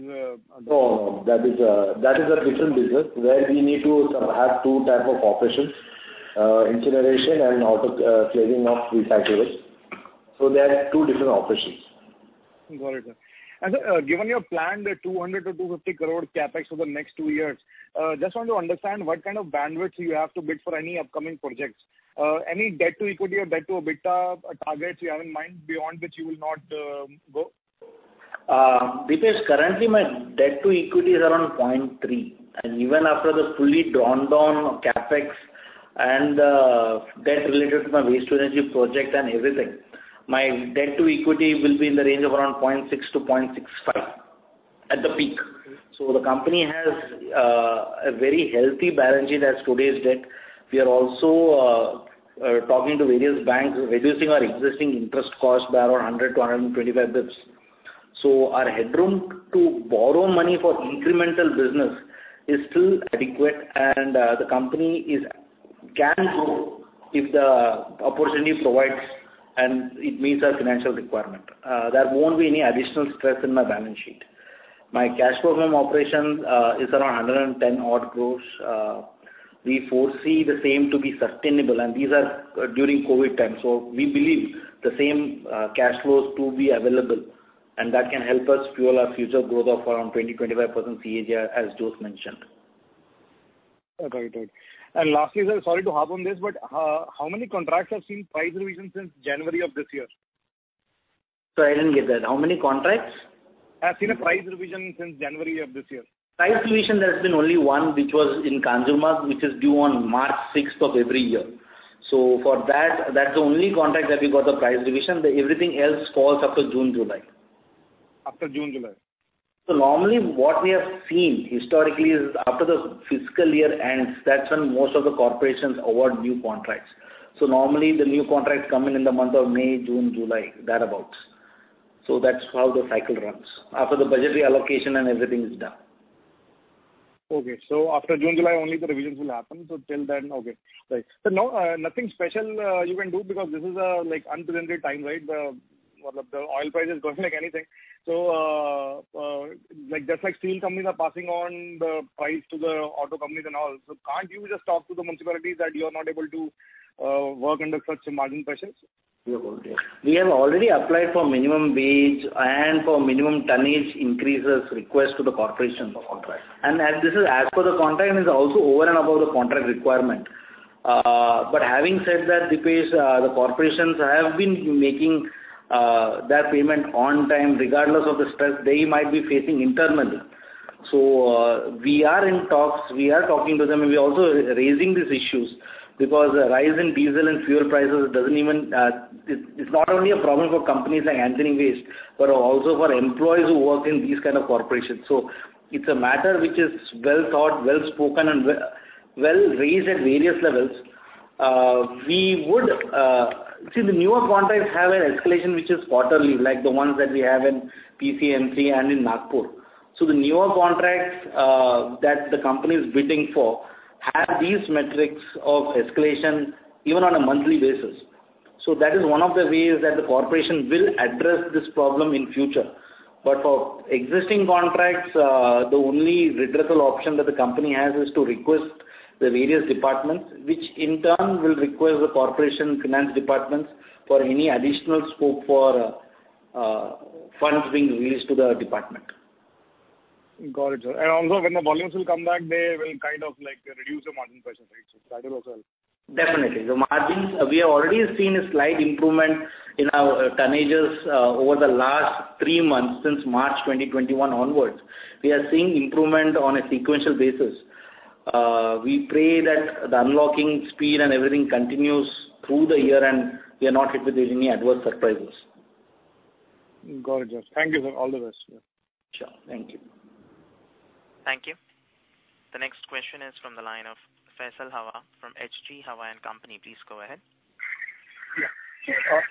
No. That is a different business where we need to have two type of operations, incineration and also cleansing of recyclable. They are two different operations. Got it, sir. Sir, given your planned 200 crore-250 crore CapEx over the next two years, just want to understand what kind of bandwidth you have to bid for any upcoming projects. Any debt to equity or debt to EBITDA targets you have in mind beyond which you will not go? Dipesh, currently my debt to equity is around 0.3. Even after the fully drawn-down CapEx and debt related to my waste-to-energy project and everything, my debt to equity will be in the range of around 0.6-0.65 at the peak. The company has a very healthy balance sheet as today's date. We are also talking to various banks, reducing our existing interest cost by around 100-125 bps. Our headroom to borrow money for incremental business is still adequate, and the company can grow if the opportunity provides and it meets our financial requirement. There won't be any additional stress in my balance sheet. My cash from operations is around 110 odd crores. We foresee the same to be sustainable, and these are during COVID time. We believe the same cash flows to be available and that can help us fuel our future growth of around 20%-25% CAGR as Jose mentioned. Got it. Lastly, sir, sorry to harp on this, but how many contracts have seen price revision since January of this year? Sorry, I didn't get that. How many contracts? Have seen a price revision since January of this year. Price revision, there has been only one, which was in Kanjur Marg, which is due on March 6th of every year. For that's the only contract that we got the price revision. Everything else falls after June, July. After June, July. Normally what we have seen historically is after the fiscal year ends, that's when most of the corporations award new contracts. Normally the new contracts come in in the month of May, June, July, thereabout. That's how the cycle runs after the budgetary allocation and everything is done. Okay. After June, July, only the revisions will happen. Till then, okay. Right. Nothing special you can do because this is an unprecedented time, right? The oil price is going like anything. Just like steel companies are passing on the price to the auto companies and all. Can't you just talk to the municipalities that you are not able to work under such margin pressures? Yeah. Got it. We have already applied for minimum wage and for minimum tonnage increases request to the corporations for contract. As per the contract, it is also over and above the contract requirement. Having said that, Dipesh, the corporations have been making their payment on time regardless of the stress they might be facing internally. We are in talks, we are talking to them and we're also raising these issues because a rise in diesel and fuel prices It's not only a problem for companies like Antony Waste, but also for employees who work in these kind of corporations. It's a matter which is well thought, well spoken and well raised at various levels. The newer contracts have an escalation which is quarterly, like the ones that we have in PCMC and in Nagpur. The newer contracts that the company is bidding for have these metrics of escalation even on a monthly basis. That is one of the ways that the corporation will address this problem in future. For existing contracts, the only redressal option that the company has is to request the various departments, which in turn will request the corporation finance departments for any additional scope for funds being released to the department. Got it, sir. Also when the volumes will come back, they will kind of reduce the margin pressure. That will also help. Definitely. We have already seen a slight improvement in our tonnages over the last three months since March 2021 onwards. We are seeing improvement on a sequential basis. We pray that the unlocking speed and everything continues through the year and we are not hit with any adverse surprises. Got it, sir. Thank you for all the rest. Sure. Thank you. Thank you. The next question is from the line of Faisal Hawa from H.G. Hawa & Co. Please go ahead. Yeah.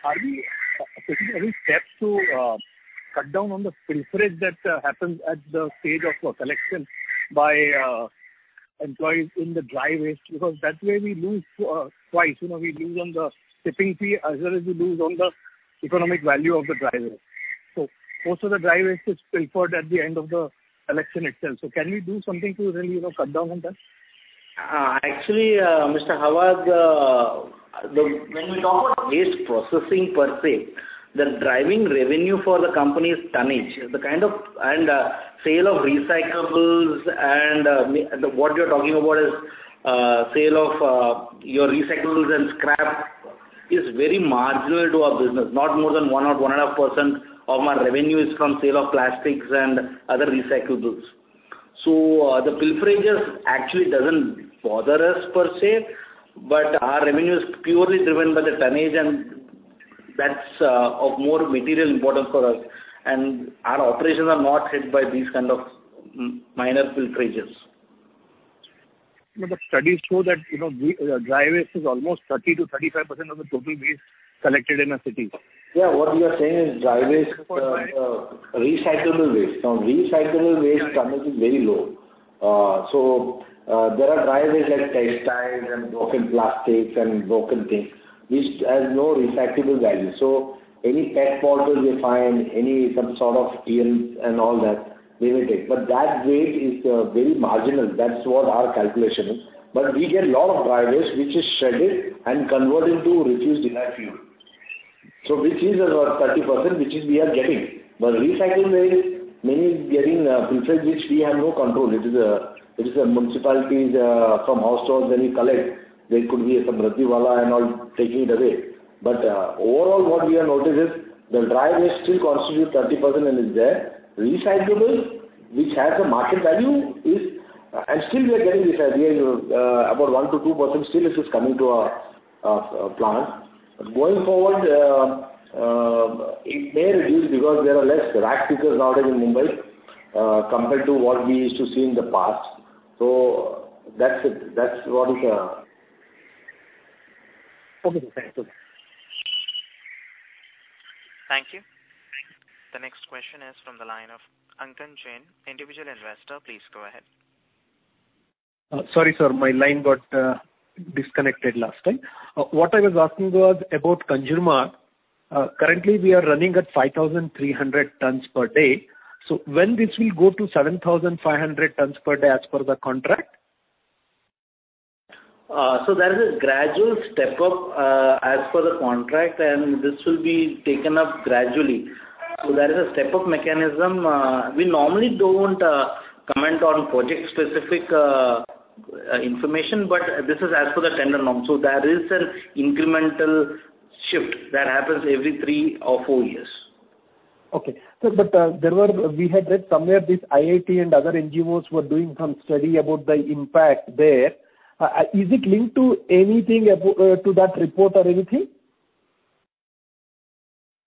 Are you taking any steps to cut down on the pilferage that happens at the stage of collection by employees in the dry waste? That way we lose twice. We lose on the tipping fee as well as we lose on the economic value of the dry waste. Most of the dry waste is pilfered at the end of the collection itself. Can we do something to really cut down on that? Actually, Mr. Hawa, when we talk about waste processing per se, the driving revenue for the company is tonnage. Sale of recyclables and what you're talking about is sale of your recyclables and scrap is very marginal to our business. Not more than 1% or 1.5% of our revenue is from sale of plastics and other recyclables. The pilferage actually doesn't bother us per se, but our revenue is purely driven by the tonnage and that's of more material importance for us, and our operations are not hit by these kind of minor pilferages. Studies show that dry waste is almost 30%-35% of the total waste collected in a city. What you are saying is dry waste, recyclable waste. Recyclable waste tonnage is very low. There are dry waste like textiles and broken plastics and broken things which has no recyclable value. Any PET bottles we find, any sort of tins and all that, we will take. That waste is very marginal. That's what our calculation is. We can lock dry waste, which is shredded and converted to refuse-derived fuel. Which is around 30%, which we are getting. Recyclable waste mainly is getting pilfered, which we have no control. It is the municipalities from households when you collect, there could be some ragpickers and all taking it away. Overall what we have noticed is the dry waste still constitutes 30% and is there. Still again, it's again about 1%-2% still is coming to our plant. Going forward, it may reduce because there are less ragpickers now there in Mumbai compared to what we used to see in the past. That's one. Okay. Thank you. Thank you. The next question is from the line of Ankan Jain, Individual Investor. Please go ahead. Sorry, sir, my line got disconnected last time. What I was asking was about Kanjurmarg. Currently, we are running at 5,300 tons per day. When this will go to 7,500 tons per day as per the contract? There is a gradual step up as per the contract, and this will be taken up gradually. There is a step-up mechanism. We normally don't comment on project-specific information, but this is as per the tender. There is an incremental shift that happens every three or four years. Okay. We had read somewhere this IIT and other NGOs were doing some study about the impact there. Is it linked to anything to that report or anything?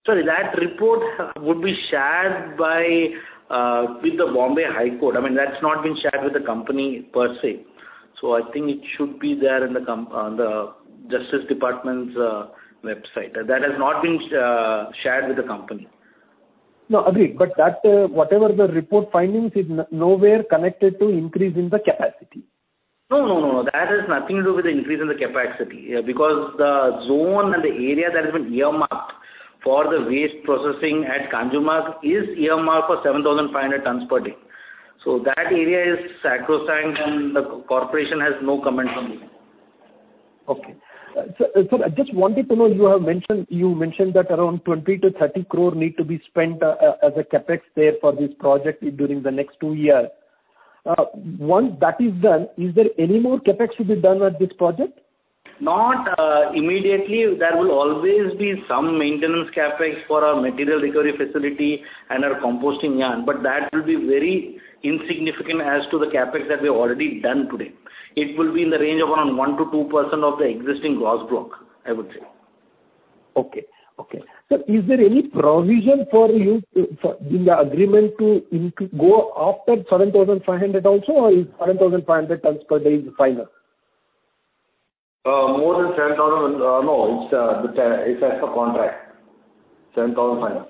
That report would be shared with the Bombay High Court. That's not been shared with the company per se. I think it should be there on the Justice Department's website. That has not been shared with the company. No, agreed but whatever the report findings is nowhere connected to increase in the capacity. That has nothing to do with the increase in the capacity because the zone and the area that has been earmarked for the waste processing at Kanjurmarg is earmarked for 7,500 tons per day. That area is sacrosanct, and the corporation has no comment on it. I just wanted to know, you mentioned that around 20 crore-30 crore need to be spent as a CapEx there for this project during the next two years. Once that is done, is there any more CapEx to be done at this project? Not immediately. There will always be some maintenance CapEx for our material recovery facility and our composting yard, but that will be very insignificant as to the CapEx that we've already done today. It will be in the range of around 1%-2% of the existing gross block, I would say. Okay. Sir, is there any provision for you in the agreement to go after 7,500 also, or is 7,500 tons per day is final? No, it's as per contract, 7,500.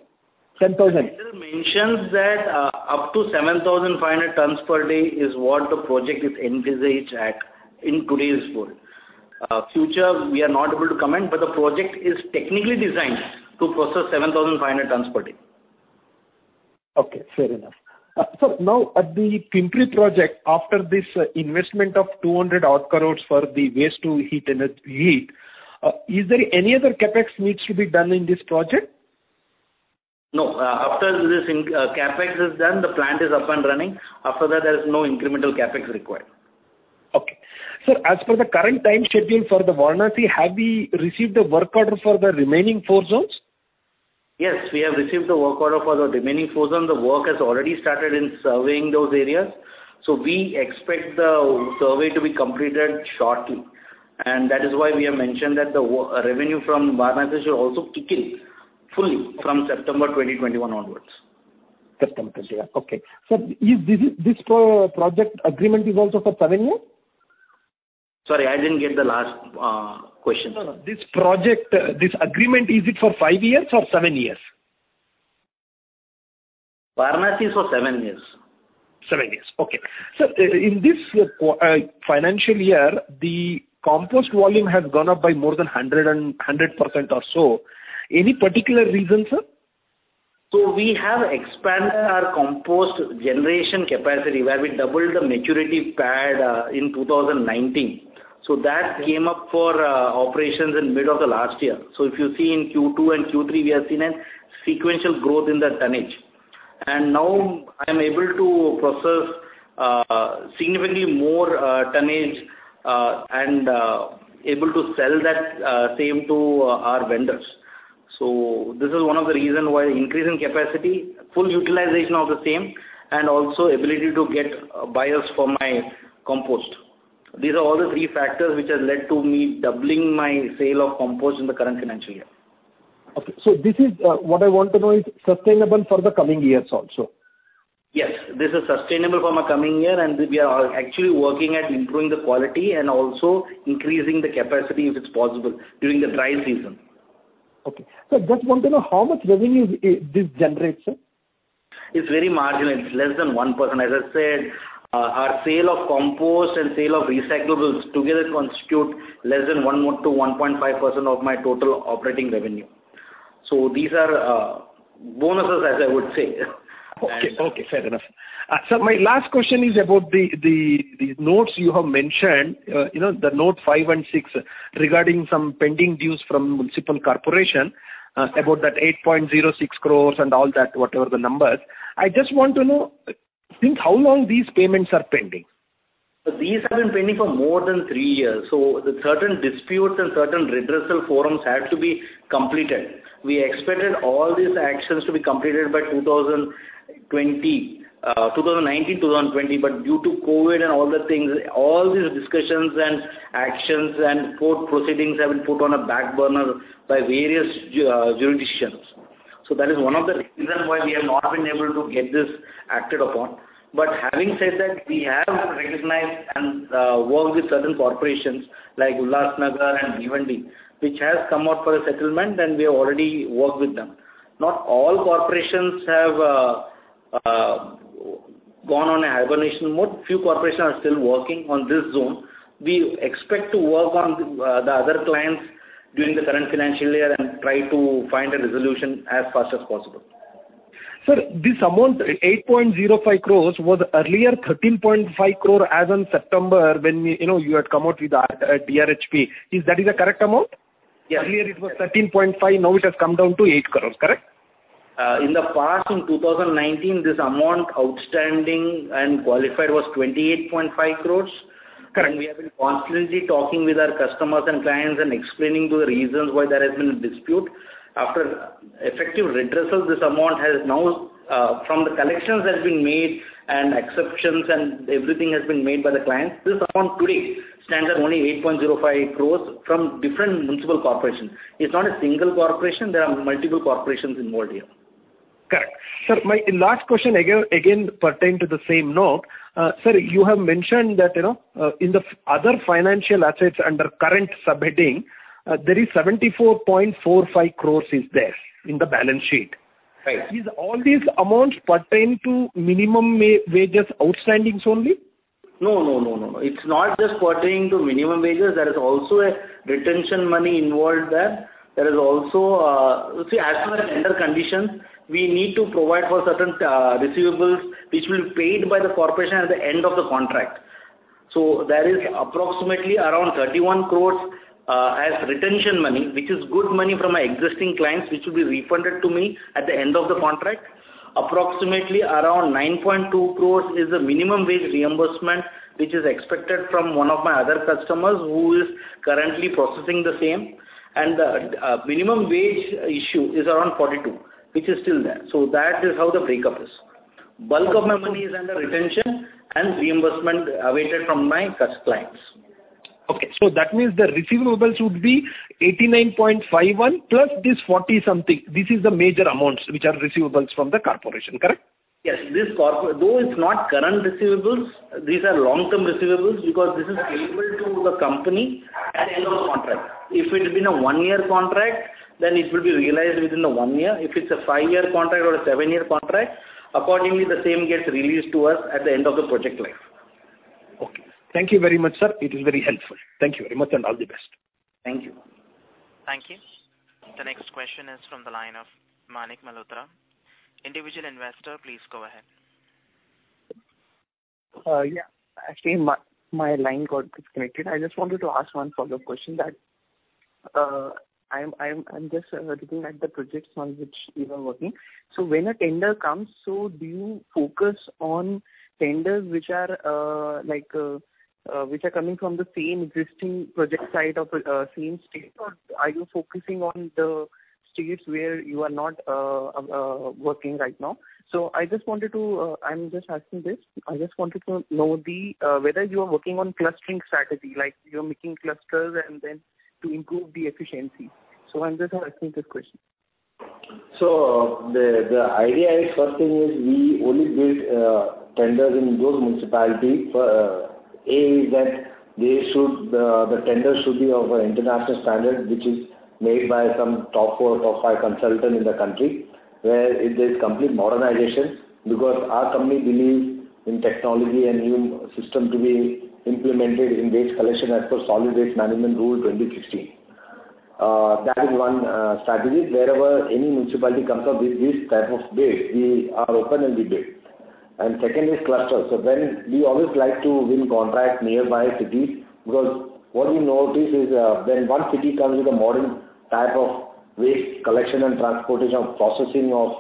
7,000. It mentions that up to 7,500 tons per day is what the project is envisaged at in today's world. Future, we are not able to comment, but the project is technically designed to process 7,500 tons per day. Okay, fair enough. Sir, now at the Pimpri project, after this investment of 200 crore for the waste to heat unit, is there any other CapEx needs to be done in this project? No. After this CapEx is done, the plant is up and running. After that, there is no incremental CapEx required. Okay. Sir, as per the current time schedule for the Varanasi, have we received the work order for the remaining four zones? Yes, we have received the work order for the remaining four zones. The work has already started in surveying those areas. We expect the survey to be completed shortly. That is why we have mentioned that the revenue from Varanasi should also kick in fully from September 2021 onwards. September, yeah. Okay. Sir, this project agreement is also for seven years? Sorry, I didn't get the last question. This project, this agreement, is it for five years or seven years? Varanasi is for seven years. Seven years. Okay. Sir, in this financial year, the compost volume has gone up by more than 100% or so. Any particular reason, sir? We have expanded our compost generation capacity where we doubled the maturity pad in 2019. That came up for operations in mid of the last year. If you see in Q2 and Q3, we have seen a sequential growth in the tonnage. Now I'm able to process significantly more tonnage and able to sell that same to our vendors. This is one of the reason why increase in capacity, full utilization of the same, and also ability to get buyers for my compost. These are all the three factors which has led to me doubling my sale of compost in the current financial year. Okay. What I want to know is sustainable for the coming years also? Yes, this is sustainable for my coming year, and we are actually working at improving the quality and also increasing the capacity if it's possible during the dry season. Okay. Sir, just want to know how much revenue this generates? It's very marginal. It's less than 1%. As I said, our sale of compost and sale of recyclables together constitute less than 1%-1.5% of my total operating revenue. These are bonuses, as I would say. Okay, fair enough. Sir, my last question is about the notes you have mentioned, the note five and six regarding some pending dues from municipal corporation about that 8.06 crore and all that, whatever the numbers. I just want to know, since how long these payments are pending? These have been pending for more than three years. Certain disputes and certain redressal forums had to be completed. We expected all these actions to be completed by 2019, 2020. Due to COVID and all the things, all these discussions and actions and court proceedings have been put on a back burner by various jurisdictions. That is one of the reasons why we have not been able to get this acted upon. Having said that, we have recognized and worked with certain corporations like Ulhas Nagar and Bhiwandi, which has come out for a settlement, and we have already worked with them. Not all corporations have gone on a hibernation mode. Few corporations are still working on this zone. We expect to work on the other clients during the current financial year and try to find a resolution as fast as possible. Sir, this amount, 8.05 crores, was earlier 13.5 crore as on September, when you had come out with DRHP. Is that the correct amount? Yeah. Earlier it was 13.5, now it has come down to 8 crores, correct? In the past, in 2019, this amount outstanding and qualified was 28.5 crores. Correct. We have been constantly talking with our customers and clients and explaining to the reasons why there has been a dispute. After effective redressals, this amount has now, from the collections that have been made and exceptions and everything has been made by the clients, this amount today stands at only 8.05 crores from different municipal corporations. It is not a single corporation. There are multiple corporations involved here. Correct. Sir, my last question again pertain to the same note. Sir, you have mentioned that in the other financial assets under current subheading, there is 74.45 crores is there in the balance sheet. Right. Is all these amounts pertain to minimum wages outstandings only? It's not just pertaining to minimum wages. There is also a retention money involved there. As per our tender conditions, we need to provide for certain receivables which will be paid by the corporation at the end of the contract. There is approximately around 31 crores as retention money, which is good money from my existing clients, which will be refunded to me at the end of the contract. Approximately around 9.2 crores is the minimum wage reimbursement, which is expected from one of my other customers who is currently processing the same. The minimum wage issue is around 42 crores, which is still there. That is how the breakup is. Bulk of my money is under retention and reimbursement awaited from my trust clients. Okay. That means the receivables would be 89.51 plus this 40-something. This is the major amounts which are receivables from the corporation, correct? Yes. Though it's not current receivables, these are long-term receivables because this is billable to the company at the end of contract. If it had been a one-year contract, then it will be realized within the one year. If it's a five-year contract or a seven-year contract, accordingly, the same gets released to us at the end of the project life. Okay. Thank you very much, sir. It is very helpful. Thank you very much, and all the best. Thank you. Thank you. The next question is from the line of Manik Malhotra. Individual investor, please go ahead. Yeah. Actually, my line got disconnected. I just wanted to ask 1 follow-up question that, I'm just looking at the projects on which you are working. When a tender comes, so do you focus on tenders which are coming from the same existing project site or same state, or are you focusing on the states where you are not working right now? I'm just asking this. I just wanted to know whether you are working on clustering strategy, like you're making clusters and then to improve the efficiency. I'm just asking this question. The idea is, first thing, we only bid tenders in those municipalities. A, is that the tender should be of an international standard, which is made by some top four, top five consultant in the country, where there is complete modernization. Our company believes in technology and new system to be implemented in waste collection as per Solid Waste Management Rules, 2016. That is one strategy. Wherever any municipality comes up with this type of bid, we are open and we bid. Second is cluster. We always like to win contract nearby cities because what we notice is, when one city comes with a modern type of waste collection and transportation or processing of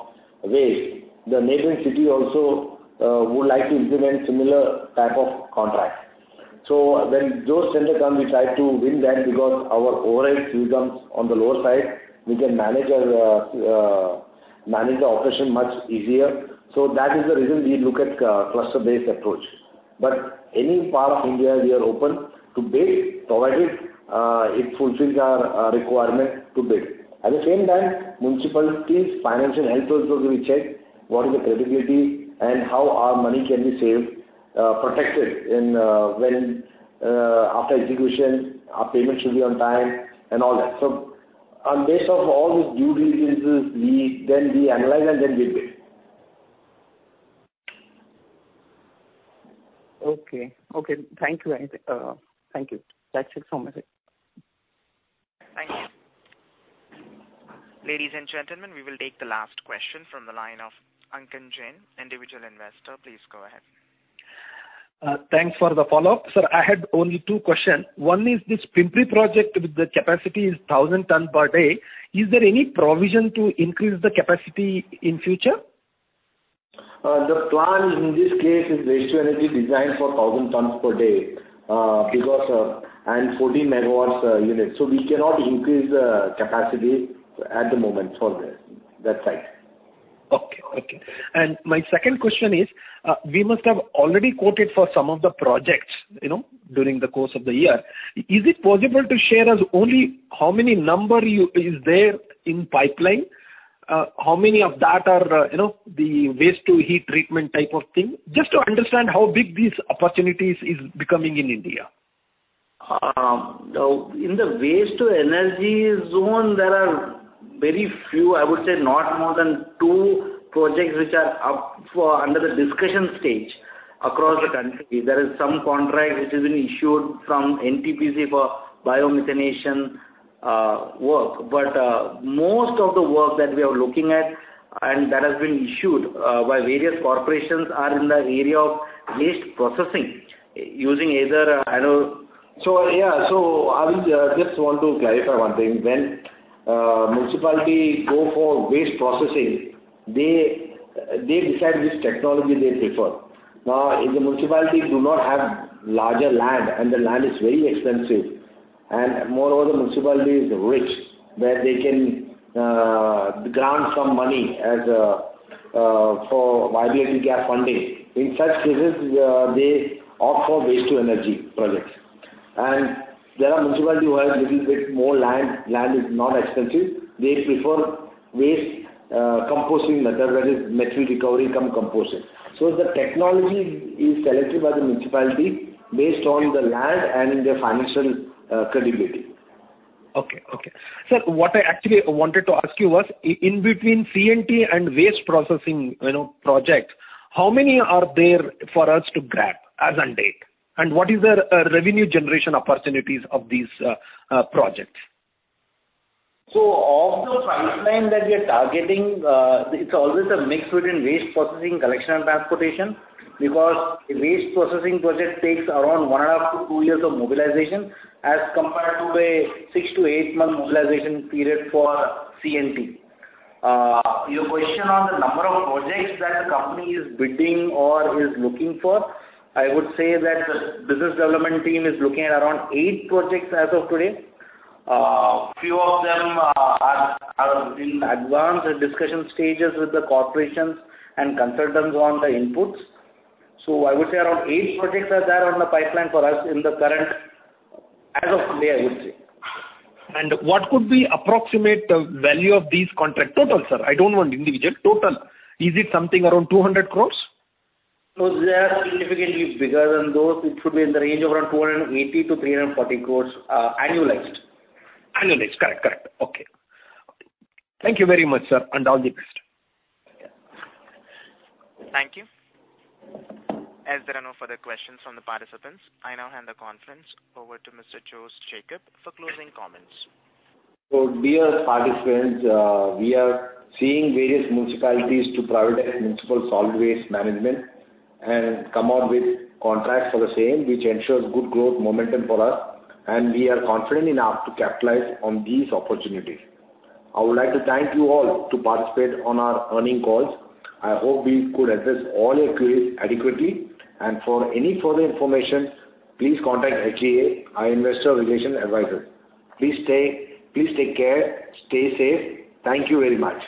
waste, the neighboring city also would like to implement similar type of contract. When those tenders come, we try to win that because our overall fee comes on the lower side. We can manage the operation much easier. That is the reason we look at cluster-based approach. Any part of India, we are open to bid, provided it fulfills our requirement to bid. At the same time, municipalities' financial health also we check. What is the credibility and how our money can be saved, protected after execution, our payment should be on time, and all that. On base of all these due diligences, then we analyze and then we bid. Okay. Thank you. That's it from my side. Thank you. Ladies and gentlemen, we will take the last question from the line of Ankan Jain, individual investor. Please go ahead. Thanks for the follow-up. Sir, I had only two question. One is this Pimpri project with the capacity is 1,000 ton per day. Is there any provision to increase the capacity in future? The plan in this case is waste to energy designed for 1,000 tons per day, and 40 MW unit. We cannot increase the capacity at the moment for this. My second question is, we must have already quoted for some of the projects during the course of the year. Is it possible to share us only how many number is there in pipeline? How many of that are the waste-to-heat treatment type of thing? Just to understand how big these opportunities is becoming in India. In the waste-to-energy zone, there are very few, I would say not more than two projects which are up for under the discussion stage across the country. There is some contract which has been issued from NTPC for bio-methanation work. Most of the work that we are looking at and that has been issued by various corporations are in the area of waste processing using either. So I just want to clarify one thing. When municipality go for waste processing, they decide which technology they prefer. If the municipality do not have larger land and the land is very expensive, and moreover, municipality is rich, where they can grant some money for VGF gap funding. In such cases, they opt for waste-to-energy projects. There are municipalities who have little bit more land is not expensive. They prefer waste composting method, that is material recovery cum composting. The technology is selected by the municipality based on the land and their financial credibility. Okay. Sir, what I actually wanted to ask you was, in between C&T and waste processing projects, how many are there for us to grab as on date? What is the revenue generation opportunities of these projects? Of the pipeline that we are targeting, it's always a mix between waste processing, collection, and transportation. Waste processing project takes around 1.5-2 years of mobilization as compared to a six-eight month mobilization period for C&T. Your question on the number of projects that the company is bidding or is looking for, I would say that the business development team is looking at around eight projects as of today. Few of them are in advanced discussion stages with the corporations and consultants on the inputs. I would say around eight projects are there on the pipeline for us in the current as of today, I would say. What could be approximate value of these contract total, sir? I don't want individual. Total. Is it something around 200 crores? No, they are significantly bigger than those. It should be in the range of around 280 crores-340 crores annualized. Annualized. Correct. Okay. Thank you very much, sir, and all the best. Thank you. As there are no further questions from the participants, I now hand the conference over to Mr. Jose Jacob for closing comments. Dear participants, we are seeing various municipalities to prioritize municipal solid waste management and come out with contracts for the same, which ensures good growth momentum for us, and we are confident enough to capitalize on these opportunities. I would like to thank you all to participate on our earning calls. I hope we could address all your queries adequately. For any further information, please contact SGA, our investor relation advisor. Please take care. Stay safe. Thank you very much.